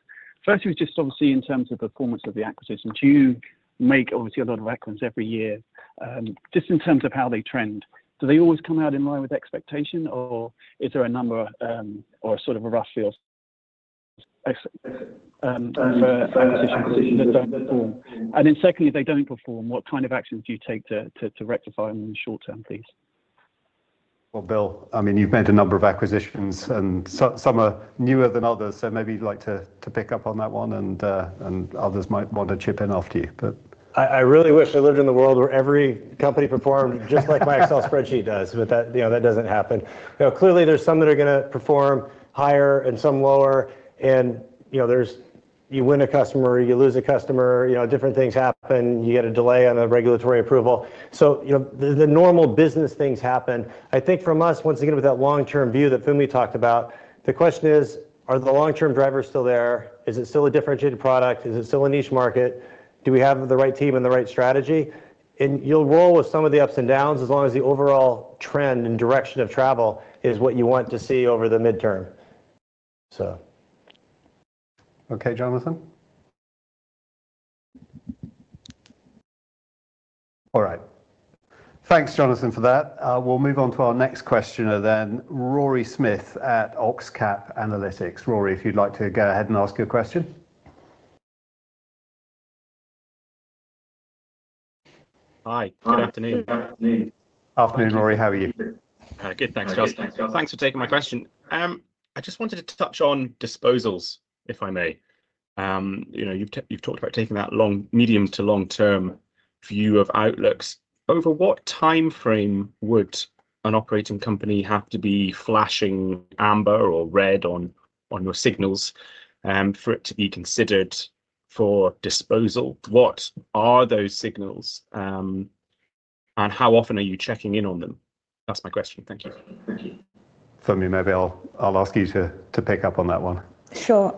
First, it was just obviously in terms of performance of the acquisition. Do you make obviously a lot of acquisitions every year? Just in terms of how they trend, do they always come out in line with expectation, or is there a number or a sort of a rough feel? Excellent. And then secondly, if they don't perform, what kind of actions do you take to rectify them in the short term, please? Bill, I mean, you've made a number of acquisitions, and some are newer than others. So maybe you'd like to pick up on that one, and others might want to chip in after you, but. I really wish I lived in the world where every company performed just like my Excel spreadsheet does, but that doesn't happen. Clearly, there's some that are going to perform higher and some lower. And you win a customer, you lose a customer, different things happen, you get a delay on the regulatory approval. So the normal business things happen. I think from us, once again, with that long-term view that Funmi talked about, the question is, are the long-term drivers still there? Is it still a differentiated product? Is it still a niche market? Do we have the right team and the right strategy? And you'll roll with some of the ups and downs as long as the overall trend and direction of travel is what you want to see over the midterm, so. Okay, Jonathan? All right. Thanks, Jonathan, for that. We'll move on to our next questioner then, Rory Smith at Oxcap Analytics. Rory, if you'd like to go ahead and ask your question. Hi, good afternoon. Afternoon, Rory. How are you? Hi, good. Thanks, Jonathan. Thanks for taking my question. I just wanted to touch on disposals, if I may. You've talked about taking that medium to long-term view of outlooks. Over what timeframe would an operating company have to be flashing amber or red on your signals for it to be considered for disposal? What are those signals, and how often are you checking in on them? That's my question. Thank you. Thank you. Funmi, maybe I'll ask you to pick up on that one. Sure.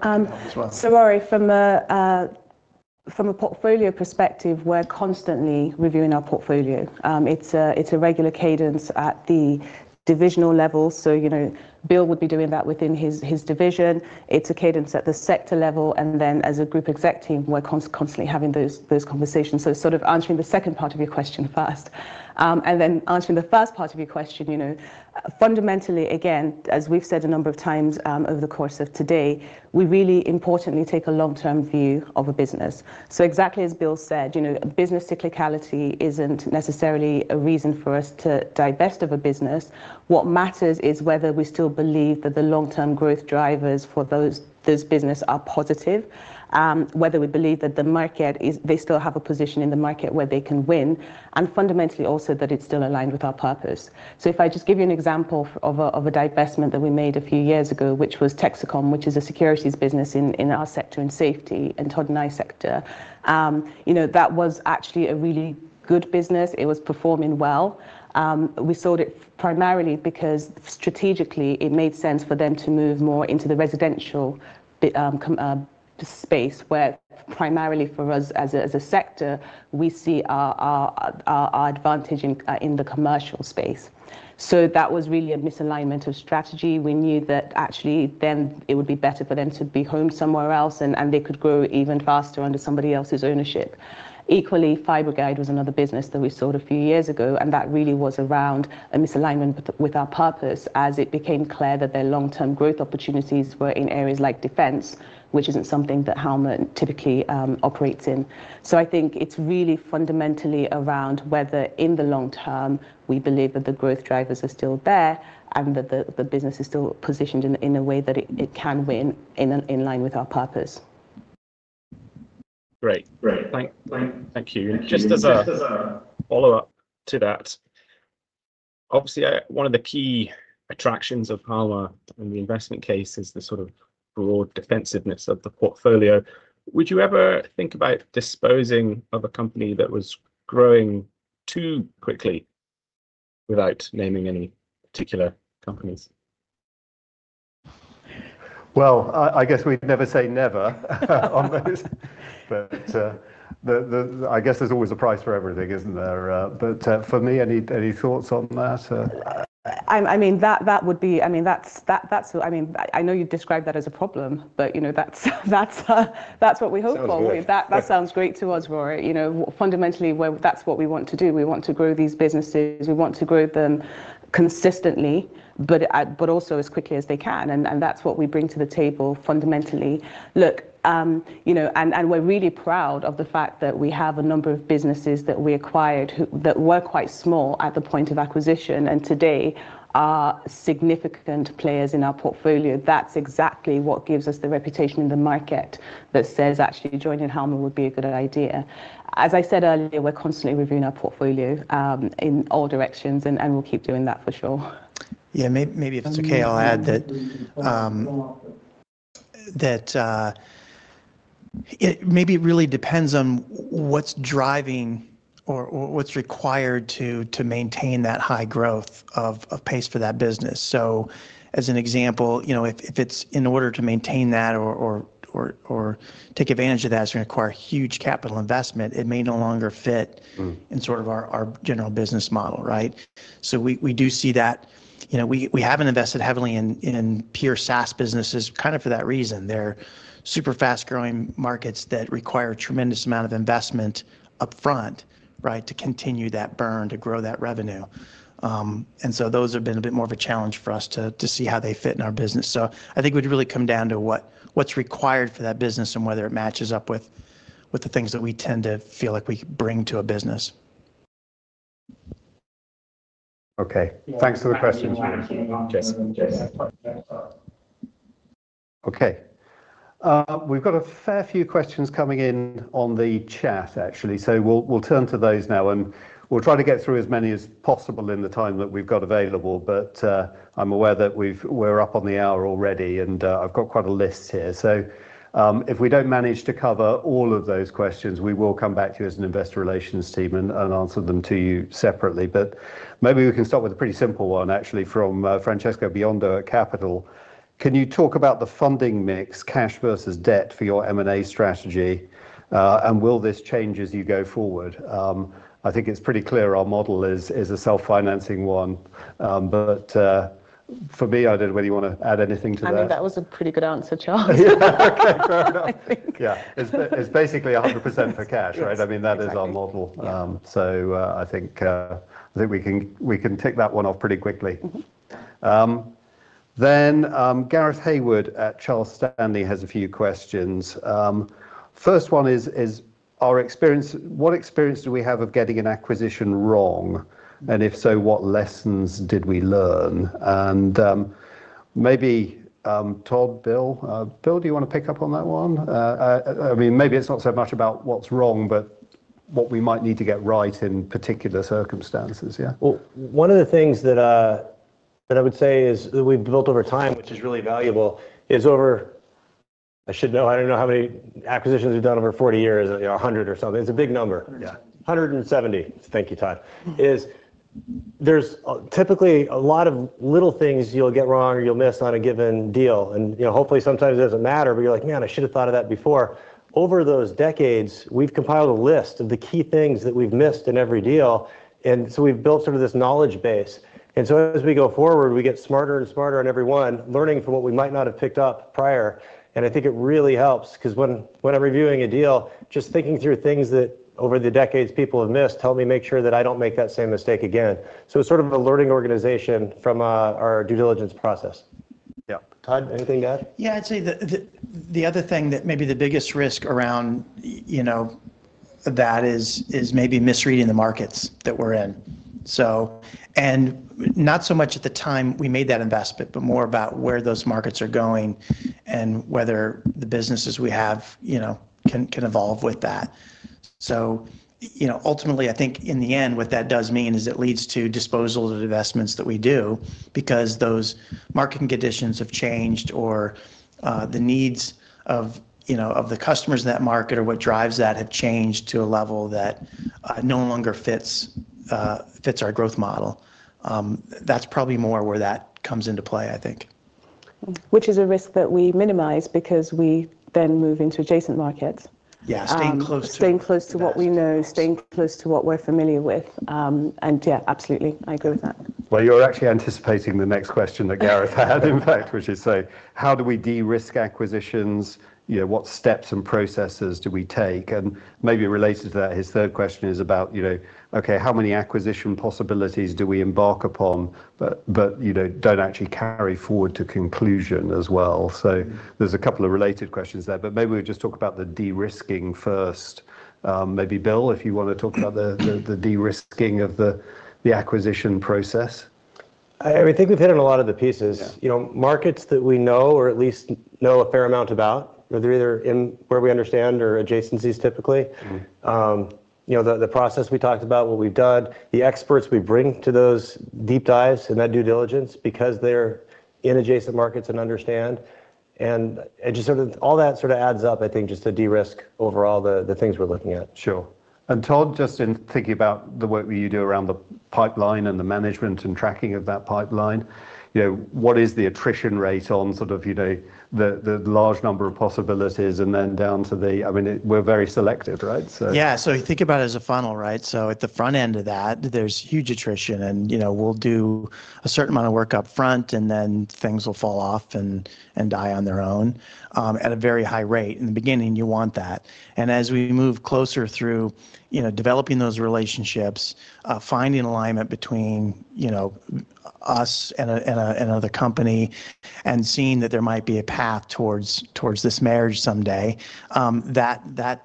So, Rory, from a portfolio perspective, we're constantly reviewing our portfolio. It's a regular cadence at the divisional level. So Bill would be doing that within his division. It's a cadence at the sector level. And then as a group exec team, we're constantly having those conversations. So sort of answering the second part of your question first. And then answering the first part of your question, fundamentally, again, as we've said a number of times over the course of today, we really importantly take a long-term view of a business. So exactly as Bill said, business cyclicality isn't necessarily a reason for us to divest of a business. What matters is whether we still believe that the long-term growth drivers for those businesses are positive, whether we believe that they still have a position in the market where they can win, and fundamentally also that it's still aligned with our purpose. So if I just give you an example of a divestment that we made a few years ago, which was Texecom, which is a securities business in our sector in safety and Todd and I sector, that was actually a really good business. It was performing well. We sold it primarily because strategically it made sense for them to move more into the residential space, where primarily for us as a sector, we see our advantage in the commercial space. So that was really a misalignment of strategy. We knew that actually then it would be better for them to be home somewhere else and they could grow even faster under somebody else's ownership. Equally, Fiberguide was another business that we sold a few years ago, and that really was around a misalignment with our purpose as it became clear that their long-term growth opportunities were in areas like defense, which isn't something that Halma typically operates in. So I think it's really fundamentally around whether in the long term we believe that the growth drivers are still there and that the business is still positioned in a way that it can win in line with our purpose. Great. Great. Thank you. Just as a follow-up to that, obviously one of the key attractions of Halma in the investment case is the sort of broad defensiveness of the portfolio. Would you ever think about disposing of a company that was growing too quickly without naming any particular companies? I guess we'd never say never on those. But I guess there's always a price for everything, isn't there? But Funmi, any thoughts on that? I mean, that's what I mean. I know you described that as a problem, but that's what we hope for. That sounds great to us, Rory. Fundamentally, that's what we want to do. We want to grow these businesses. We want to grow them consistently, but also as quickly as they can, and that's what we bring to the table fundamentally. Look, and we're really proud of the fact that we have a number of businesses that we acquired that were quite small at the point of acquisition and today are significant players in our portfolio. That's exactly what gives us the reputation in the market that says actually joining Halma would be a good idea. As I said earlier, we're constantly reviewing our portfolio in all directions, and we'll keep doing that for sure. Yeah, maybe if it's okay, I'll add that maybe it really depends on what's driving or what's required to maintain that high growth pace for that business. So as an example, if it's in order to maintain that or take advantage of that, it's going to require huge capital investment. It may no longer fit in sort of our general business model, right? So we do see that. We haven't invested heavily in pure SaaS businesses kind of for that reason. They're super fast-growing markets that require a tremendous amount of investment upfront to continue that burn, to grow that revenue. And so those have been a bit more of a challenge for us to see how they fit in our business. I think it would really come down to what's required for that business and whether it matches up with the things that we tend to feel like we bring to a business. Okay. Thanks for the questions. Okay. We've got a fair few questions coming in on the chat, actually. So we'll turn to those now, and we'll try to get through as many as possible in the time that we've got available, but I'm aware that we're up on the hour already, and I've got quite a list here, so if we don't manage to cover all of those questions, we will come back to you as an investor relations team and answer them to you separately, but maybe we can start with a pretty simple one, actually, from Francesco Biondo at Capital. Can you talk about the funding mix, cash versus debt for your M&A strategy, and will this change as you go forward? I think it's pretty clear our model is a self-financing one, but Funmi, I don't know whether you want to add anything to that. I think that was a pretty good answer, Charles. Yeah. Okay. Fair enough. Yeah. It's basically 100% for cash, (crosstalk) right? I mean, that is our model. So I think we can tick that one off pretty quickly. Then Gareth Hayward at Charles Stanley has a few questions. First one is, what experience do we have of getting an acquisition wrong? And if so, what lessons did we learn? And maybe Todd, Bill, do you want to pick up on that one? I mean, maybe it's not so much about what's wrong, but what we might need to get right in particular circumstances. Yeah. One of the things that I would say is that we've built over time, which is really valuable, is over I don't know how many acquisitions we've done over 40 years, 100 or something. It's a big number. 170. Thank you, Todd. There's typically a lot of little things you'll get wrong or you'll miss on a given deal. Hopefully sometimes it doesn't matter, but you're like, "Man, I should have thought of that before." Over those decades, we've compiled a list of the key things that we've missed in every deal. We've built sort of this knowledge base. As we go forward, we get smarter and smarter on every one, learning from what we might not have picked up prior. I think it really helps because when I'm reviewing a deal, just thinking through things that over the decades people have missed helped me make sure that I don't make that same mistake again. It's sort of a learning organization from our due diligence process. Yeah. Todd, anything to add? Yeah, I'd say the other thing that maybe the biggest risk around that is maybe misreading the markets that we're in, and not so much at the time we made that investment, but more about where those markets are going and whether the businesses we have can evolve with that, so ultimately, I think in the end, what that does mean is it leads to disposals and investments that we do because those market conditions have changed or the needs of the customers in that market or what drives that have changed to a level that no longer fits our growth model. That's probably more where that comes into play, I think. Which is a risk that we minimize because we then move into adjacent markets. Yeah, staying close to. Staying close to what we know, staying close to what we're familiar with. And yeah, absolutely. I agree with that. You're actually anticipating the next question that Gareth had, in fact, which is, "How do we de-risk acquisitions? What steps and processes do we take?" Maybe related to that, his third question is about, "Okay, how many acquisition possibilities do we embark upon but don't actually carry forward to conclusion as well?" There's a couple of related questions there, but maybe we just talk about the de-risking first. Maybe Bill, if you want to talk about the de-risking of the acquisition process. I think we've hit on a lot of the pieces: markets that we know or at least know a fair amount about, whether they're either where we understand or adjacencies typically, the process we talked about, what we've done, the experts we bring to those deep dives and that due diligence because they're in adjacent markets and understand, and just sort of all that sort of adds up, I think, just to de-risk overall the things we're looking at. Sure. And Todd, just in thinking about the work you do around the pipeline and the management and tracking of that pipeline, what is the attrition rate on sort of the large number of possibilities and then down to the, I mean, we're very selective, right? Yeah. So think about it as a funnel, right? So at the front end of that, there's huge attrition. And we'll do a certain amount of work upfront, and then things will fall off and die on their own at a very high rate. In the beginning, you want that. And as we move closer through developing those relationships, finding alignment between us and another company and seeing that there might be a path towards this marriage someday, that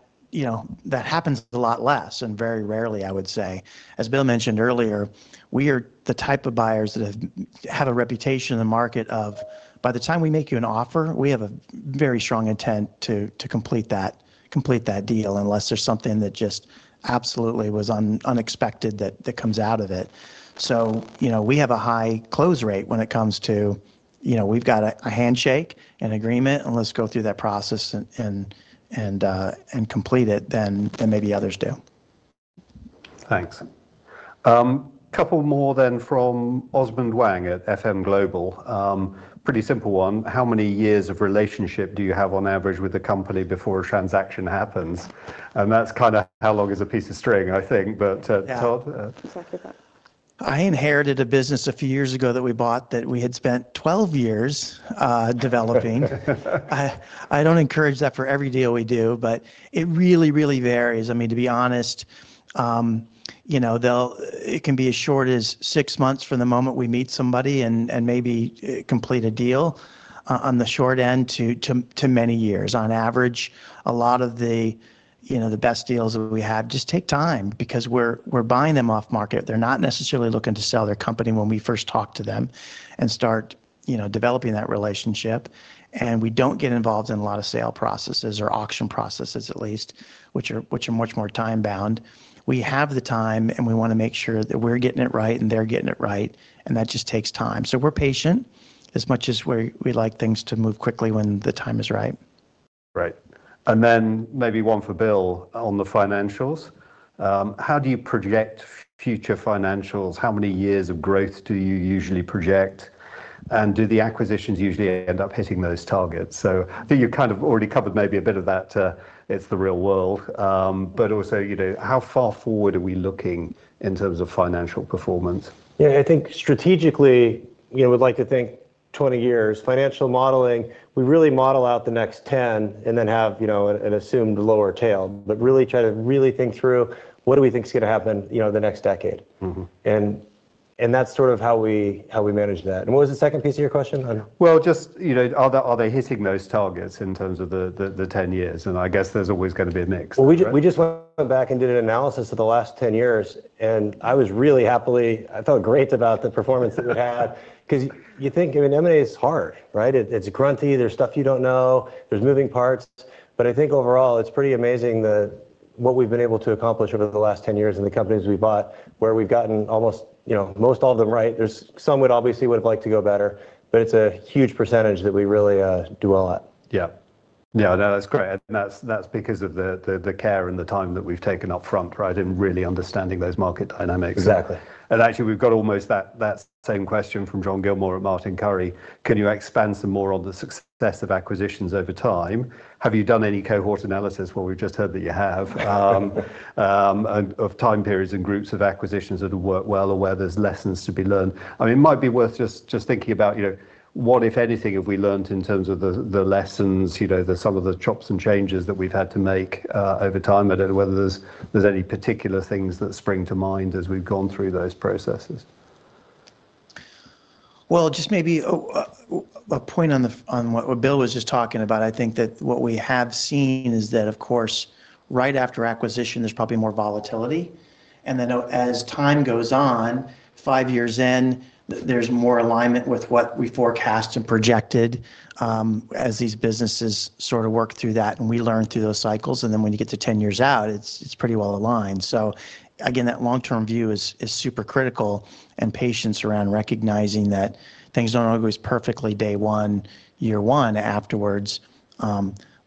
happens a lot less and very rarely, I would say. As Bill mentioned earlier, we are the type of buyers that have a reputation in the market of, by the time we make you an offer, we have a very strong intent to complete that deal unless there's something that just absolutely was unexpected that comes out of it. So we have a high close rate when it comes to, we've got a handshake and agreement, and let's go through that process and complete it, then maybe others do. Thanks. A couple more then from Osmond Wang at FM Global. Pretty simple one. How many years of relationship do you have on average with the company before a transaction happens? And that's kind of how long is a piece of string, I think. But Todd? Yeah, exactly that. I inherited a business a few years ago that we bought that we had spent 12 years developing. I don't encourage that for every deal we do, but it really, really varies. I mean, to be honest, it can be as short as six months from the moment we meet somebody and maybe complete a deal on the short end to many years. On average, a lot of the best deals that we have just take time because we're buying them off-market. They're not necessarily looking to sell their company when we first talk to them and start developing that relationship. And we don't get involved in a lot of sale processes or auction processes, at least, which are much more time-bound. We have the time, and we want to make sure that we're getting it right and they're getting it right. And that just takes time. So we're patient as much as we like things to move quickly when the time is right. Right, and then maybe one for Bill on the financials. How do you project future financials? How many years of growth do you usually project? And do the acquisitions usually end up hitting those targets, so I think you've kind of already covered maybe a bit of that. It's the real world, but also, how far forward are we looking in terms of financial performance? Yeah, I think strategically, we'd like to think 20 years. Financial modeling, we really model out the next 10 and then have an assumed lower tail, but really try to really think through what do we think is going to happen the next decade. And that's sort of how we manage that. And what was the second piece of your question? Just, are they hitting those targets in terms of the 10 years? And I guess there's always going to be a mix. We just went back and did an analysis of the last 10 years, and I was really happily. I felt great about the performance that we had because you think, I mean, M&A is hard, right? It's grunty. There's stuff you don't know. There's moving parts, but I think overall, it's pretty amazing what we've been able to accomplish over the last 10 years in the companies we bought where we've gotten almost most all of them right. There's some we'd obviously would have liked to go better, but it's a huge percentage that we really do well at. Yeah. Yeah, no, that's great. And that's because of the care and the time that we've taken upfront, right, in really understanding those market dynamics. Exactly. And actually, we've got almost that same question from John Gilmore at Martin Currie. Can you expand some more on the success of acquisitions over time? Have you done any cohort analysis? Well, we've just heard that you have of time periods and groups of acquisitions that have worked well or where there's lessons to be learned. I mean, it might be worth just thinking about what, if anything, have we learned in terms of the lessons, some of the chops and changes that we've had to make over time? I don't know whether there's any particular things that spring to mind as we've gone through those processes. Just maybe a point on what Bill was just talking about. I think that what we have seen is that, of course, right after acquisition, there's probably more volatility, and then as time goes on, five years in, there's more alignment with what we forecast and projected as these businesses sort of work through that, and we learn through those cycles, and then when you get to 10 years out, it's pretty well aligned, so again, that long-term view is super critical and patience around recognizing that things don't always go perfectly day one, year one afterwards,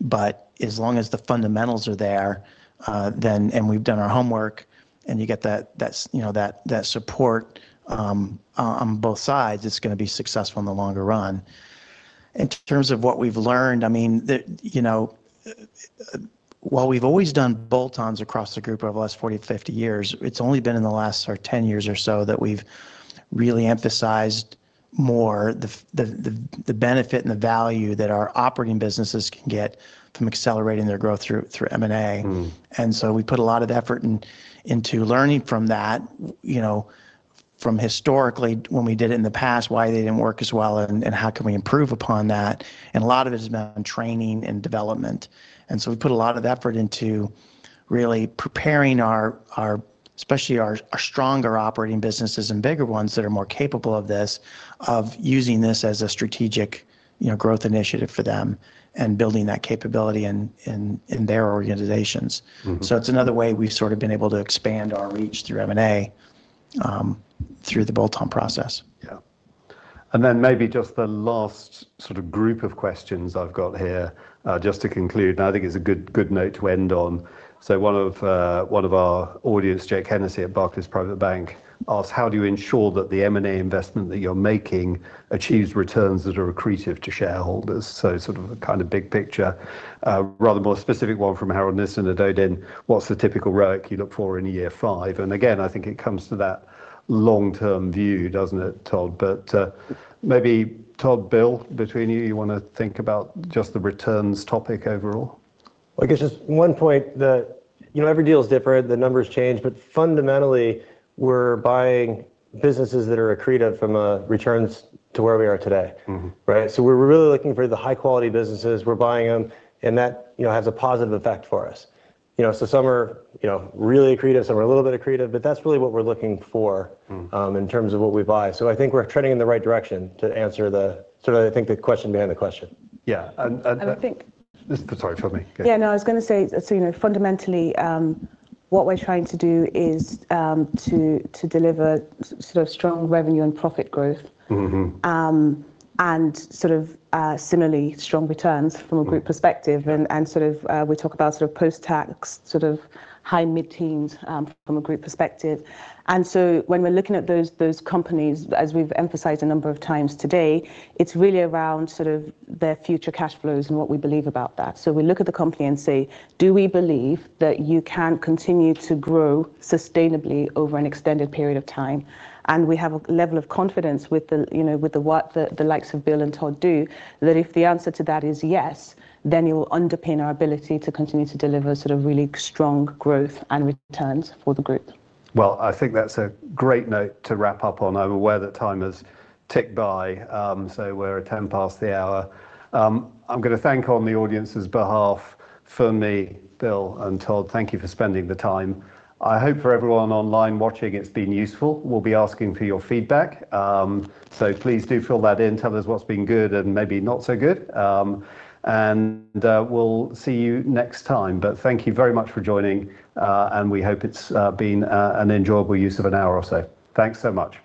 but as long as the fundamentals are there and we've done our homework and you get that support on both sides, it's going to be successful in the longer run. In terms of what we've learned, I mean, while we've always done bolt-ons across the group over the last 40, 50 years, it's only been in the last 10 years or so that we've really emphasized more the benefit and the value that our operating businesses can get from accelerating their growth through M&A, and so we put a lot of effort into learning from that historically when we did it in the past, why they didn't work as well, and how can we improve upon that?, and a lot of it has been on training and development, and so we put a lot of effort into really preparing our, especially our stronger operating businesses and bigger ones that are more capable of this, of using this as a strategic growth initiative for them and building that capability in their organizations. So it's another way we've sort of been able to expand our reach through M&A, through the bolt-on process. Yeah. And then maybe just the last sort of group of questions I've got here just to conclude. And I think it's a good note to end on. So one of our audience, Jake Hennessy at Barclays Private Bank, asked, "How do you ensure that the M&A investment that you're making achieves returns that are accretive to shareholders?" So sort of a kind of big picture. Rather more specific one from Harald Nissen at Odin, "What's the typical ROIC you look for in year five?" And again, I think it comes to that long-term view, doesn't it, Todd? But maybe, Todd, Bill, between you, you want to think about just the returns topic overall? I guess just one point that every deal is different. The numbers change. But fundamentally, we're buying businesses that are accretive from returns to where we are today, right? So we're really looking for the high-quality businesses. We're buying them, and that has a positive effect for us. So some are really accretive, some are a little bit accretive, but that's really what we're looking for in terms of what we buy. So I think we're trending in the right direction to answer the sort of, I think, the question behind the question. Yeah. I think. Sorry, Funmi. Yeah, no, I was going to say, so fundamentally, what we're trying to do is to deliver sort of strong revenue and profit growth and sort of similarly strong returns from a group perspective, and sort of we talk about sort of post-tax sort of high mid-teens from a group perspective, and so when we're looking at those companies, as we've emphasized a number of times today, it's really around sort of their future cash flows and what we believe about that, so we look at the company and say, "Do we believe that you can continue to grow sustainably over an extended period of time?", and we have a level of confidence with the likes of Bill and Todd do that if the answer to that is yes, then it will underpin our ability to continue to deliver sort of really strong growth and returns for the group. I think that's a great note to wrap up on. I'm aware that time has ticked by, so we're at 10 past the hour. I'm going to thank on the audience's behalf, Funmi, Bill, and Todd. Thank you for spending the time. I hope for everyone online watching, it's been useful. We'll be asking for your feedback. Please do fill that in. Tell us what's been good and maybe not so good. We'll see you next time. Thank you very much for joining, and we hope it's been an enjoyable use of an hour or so. Thanks so much.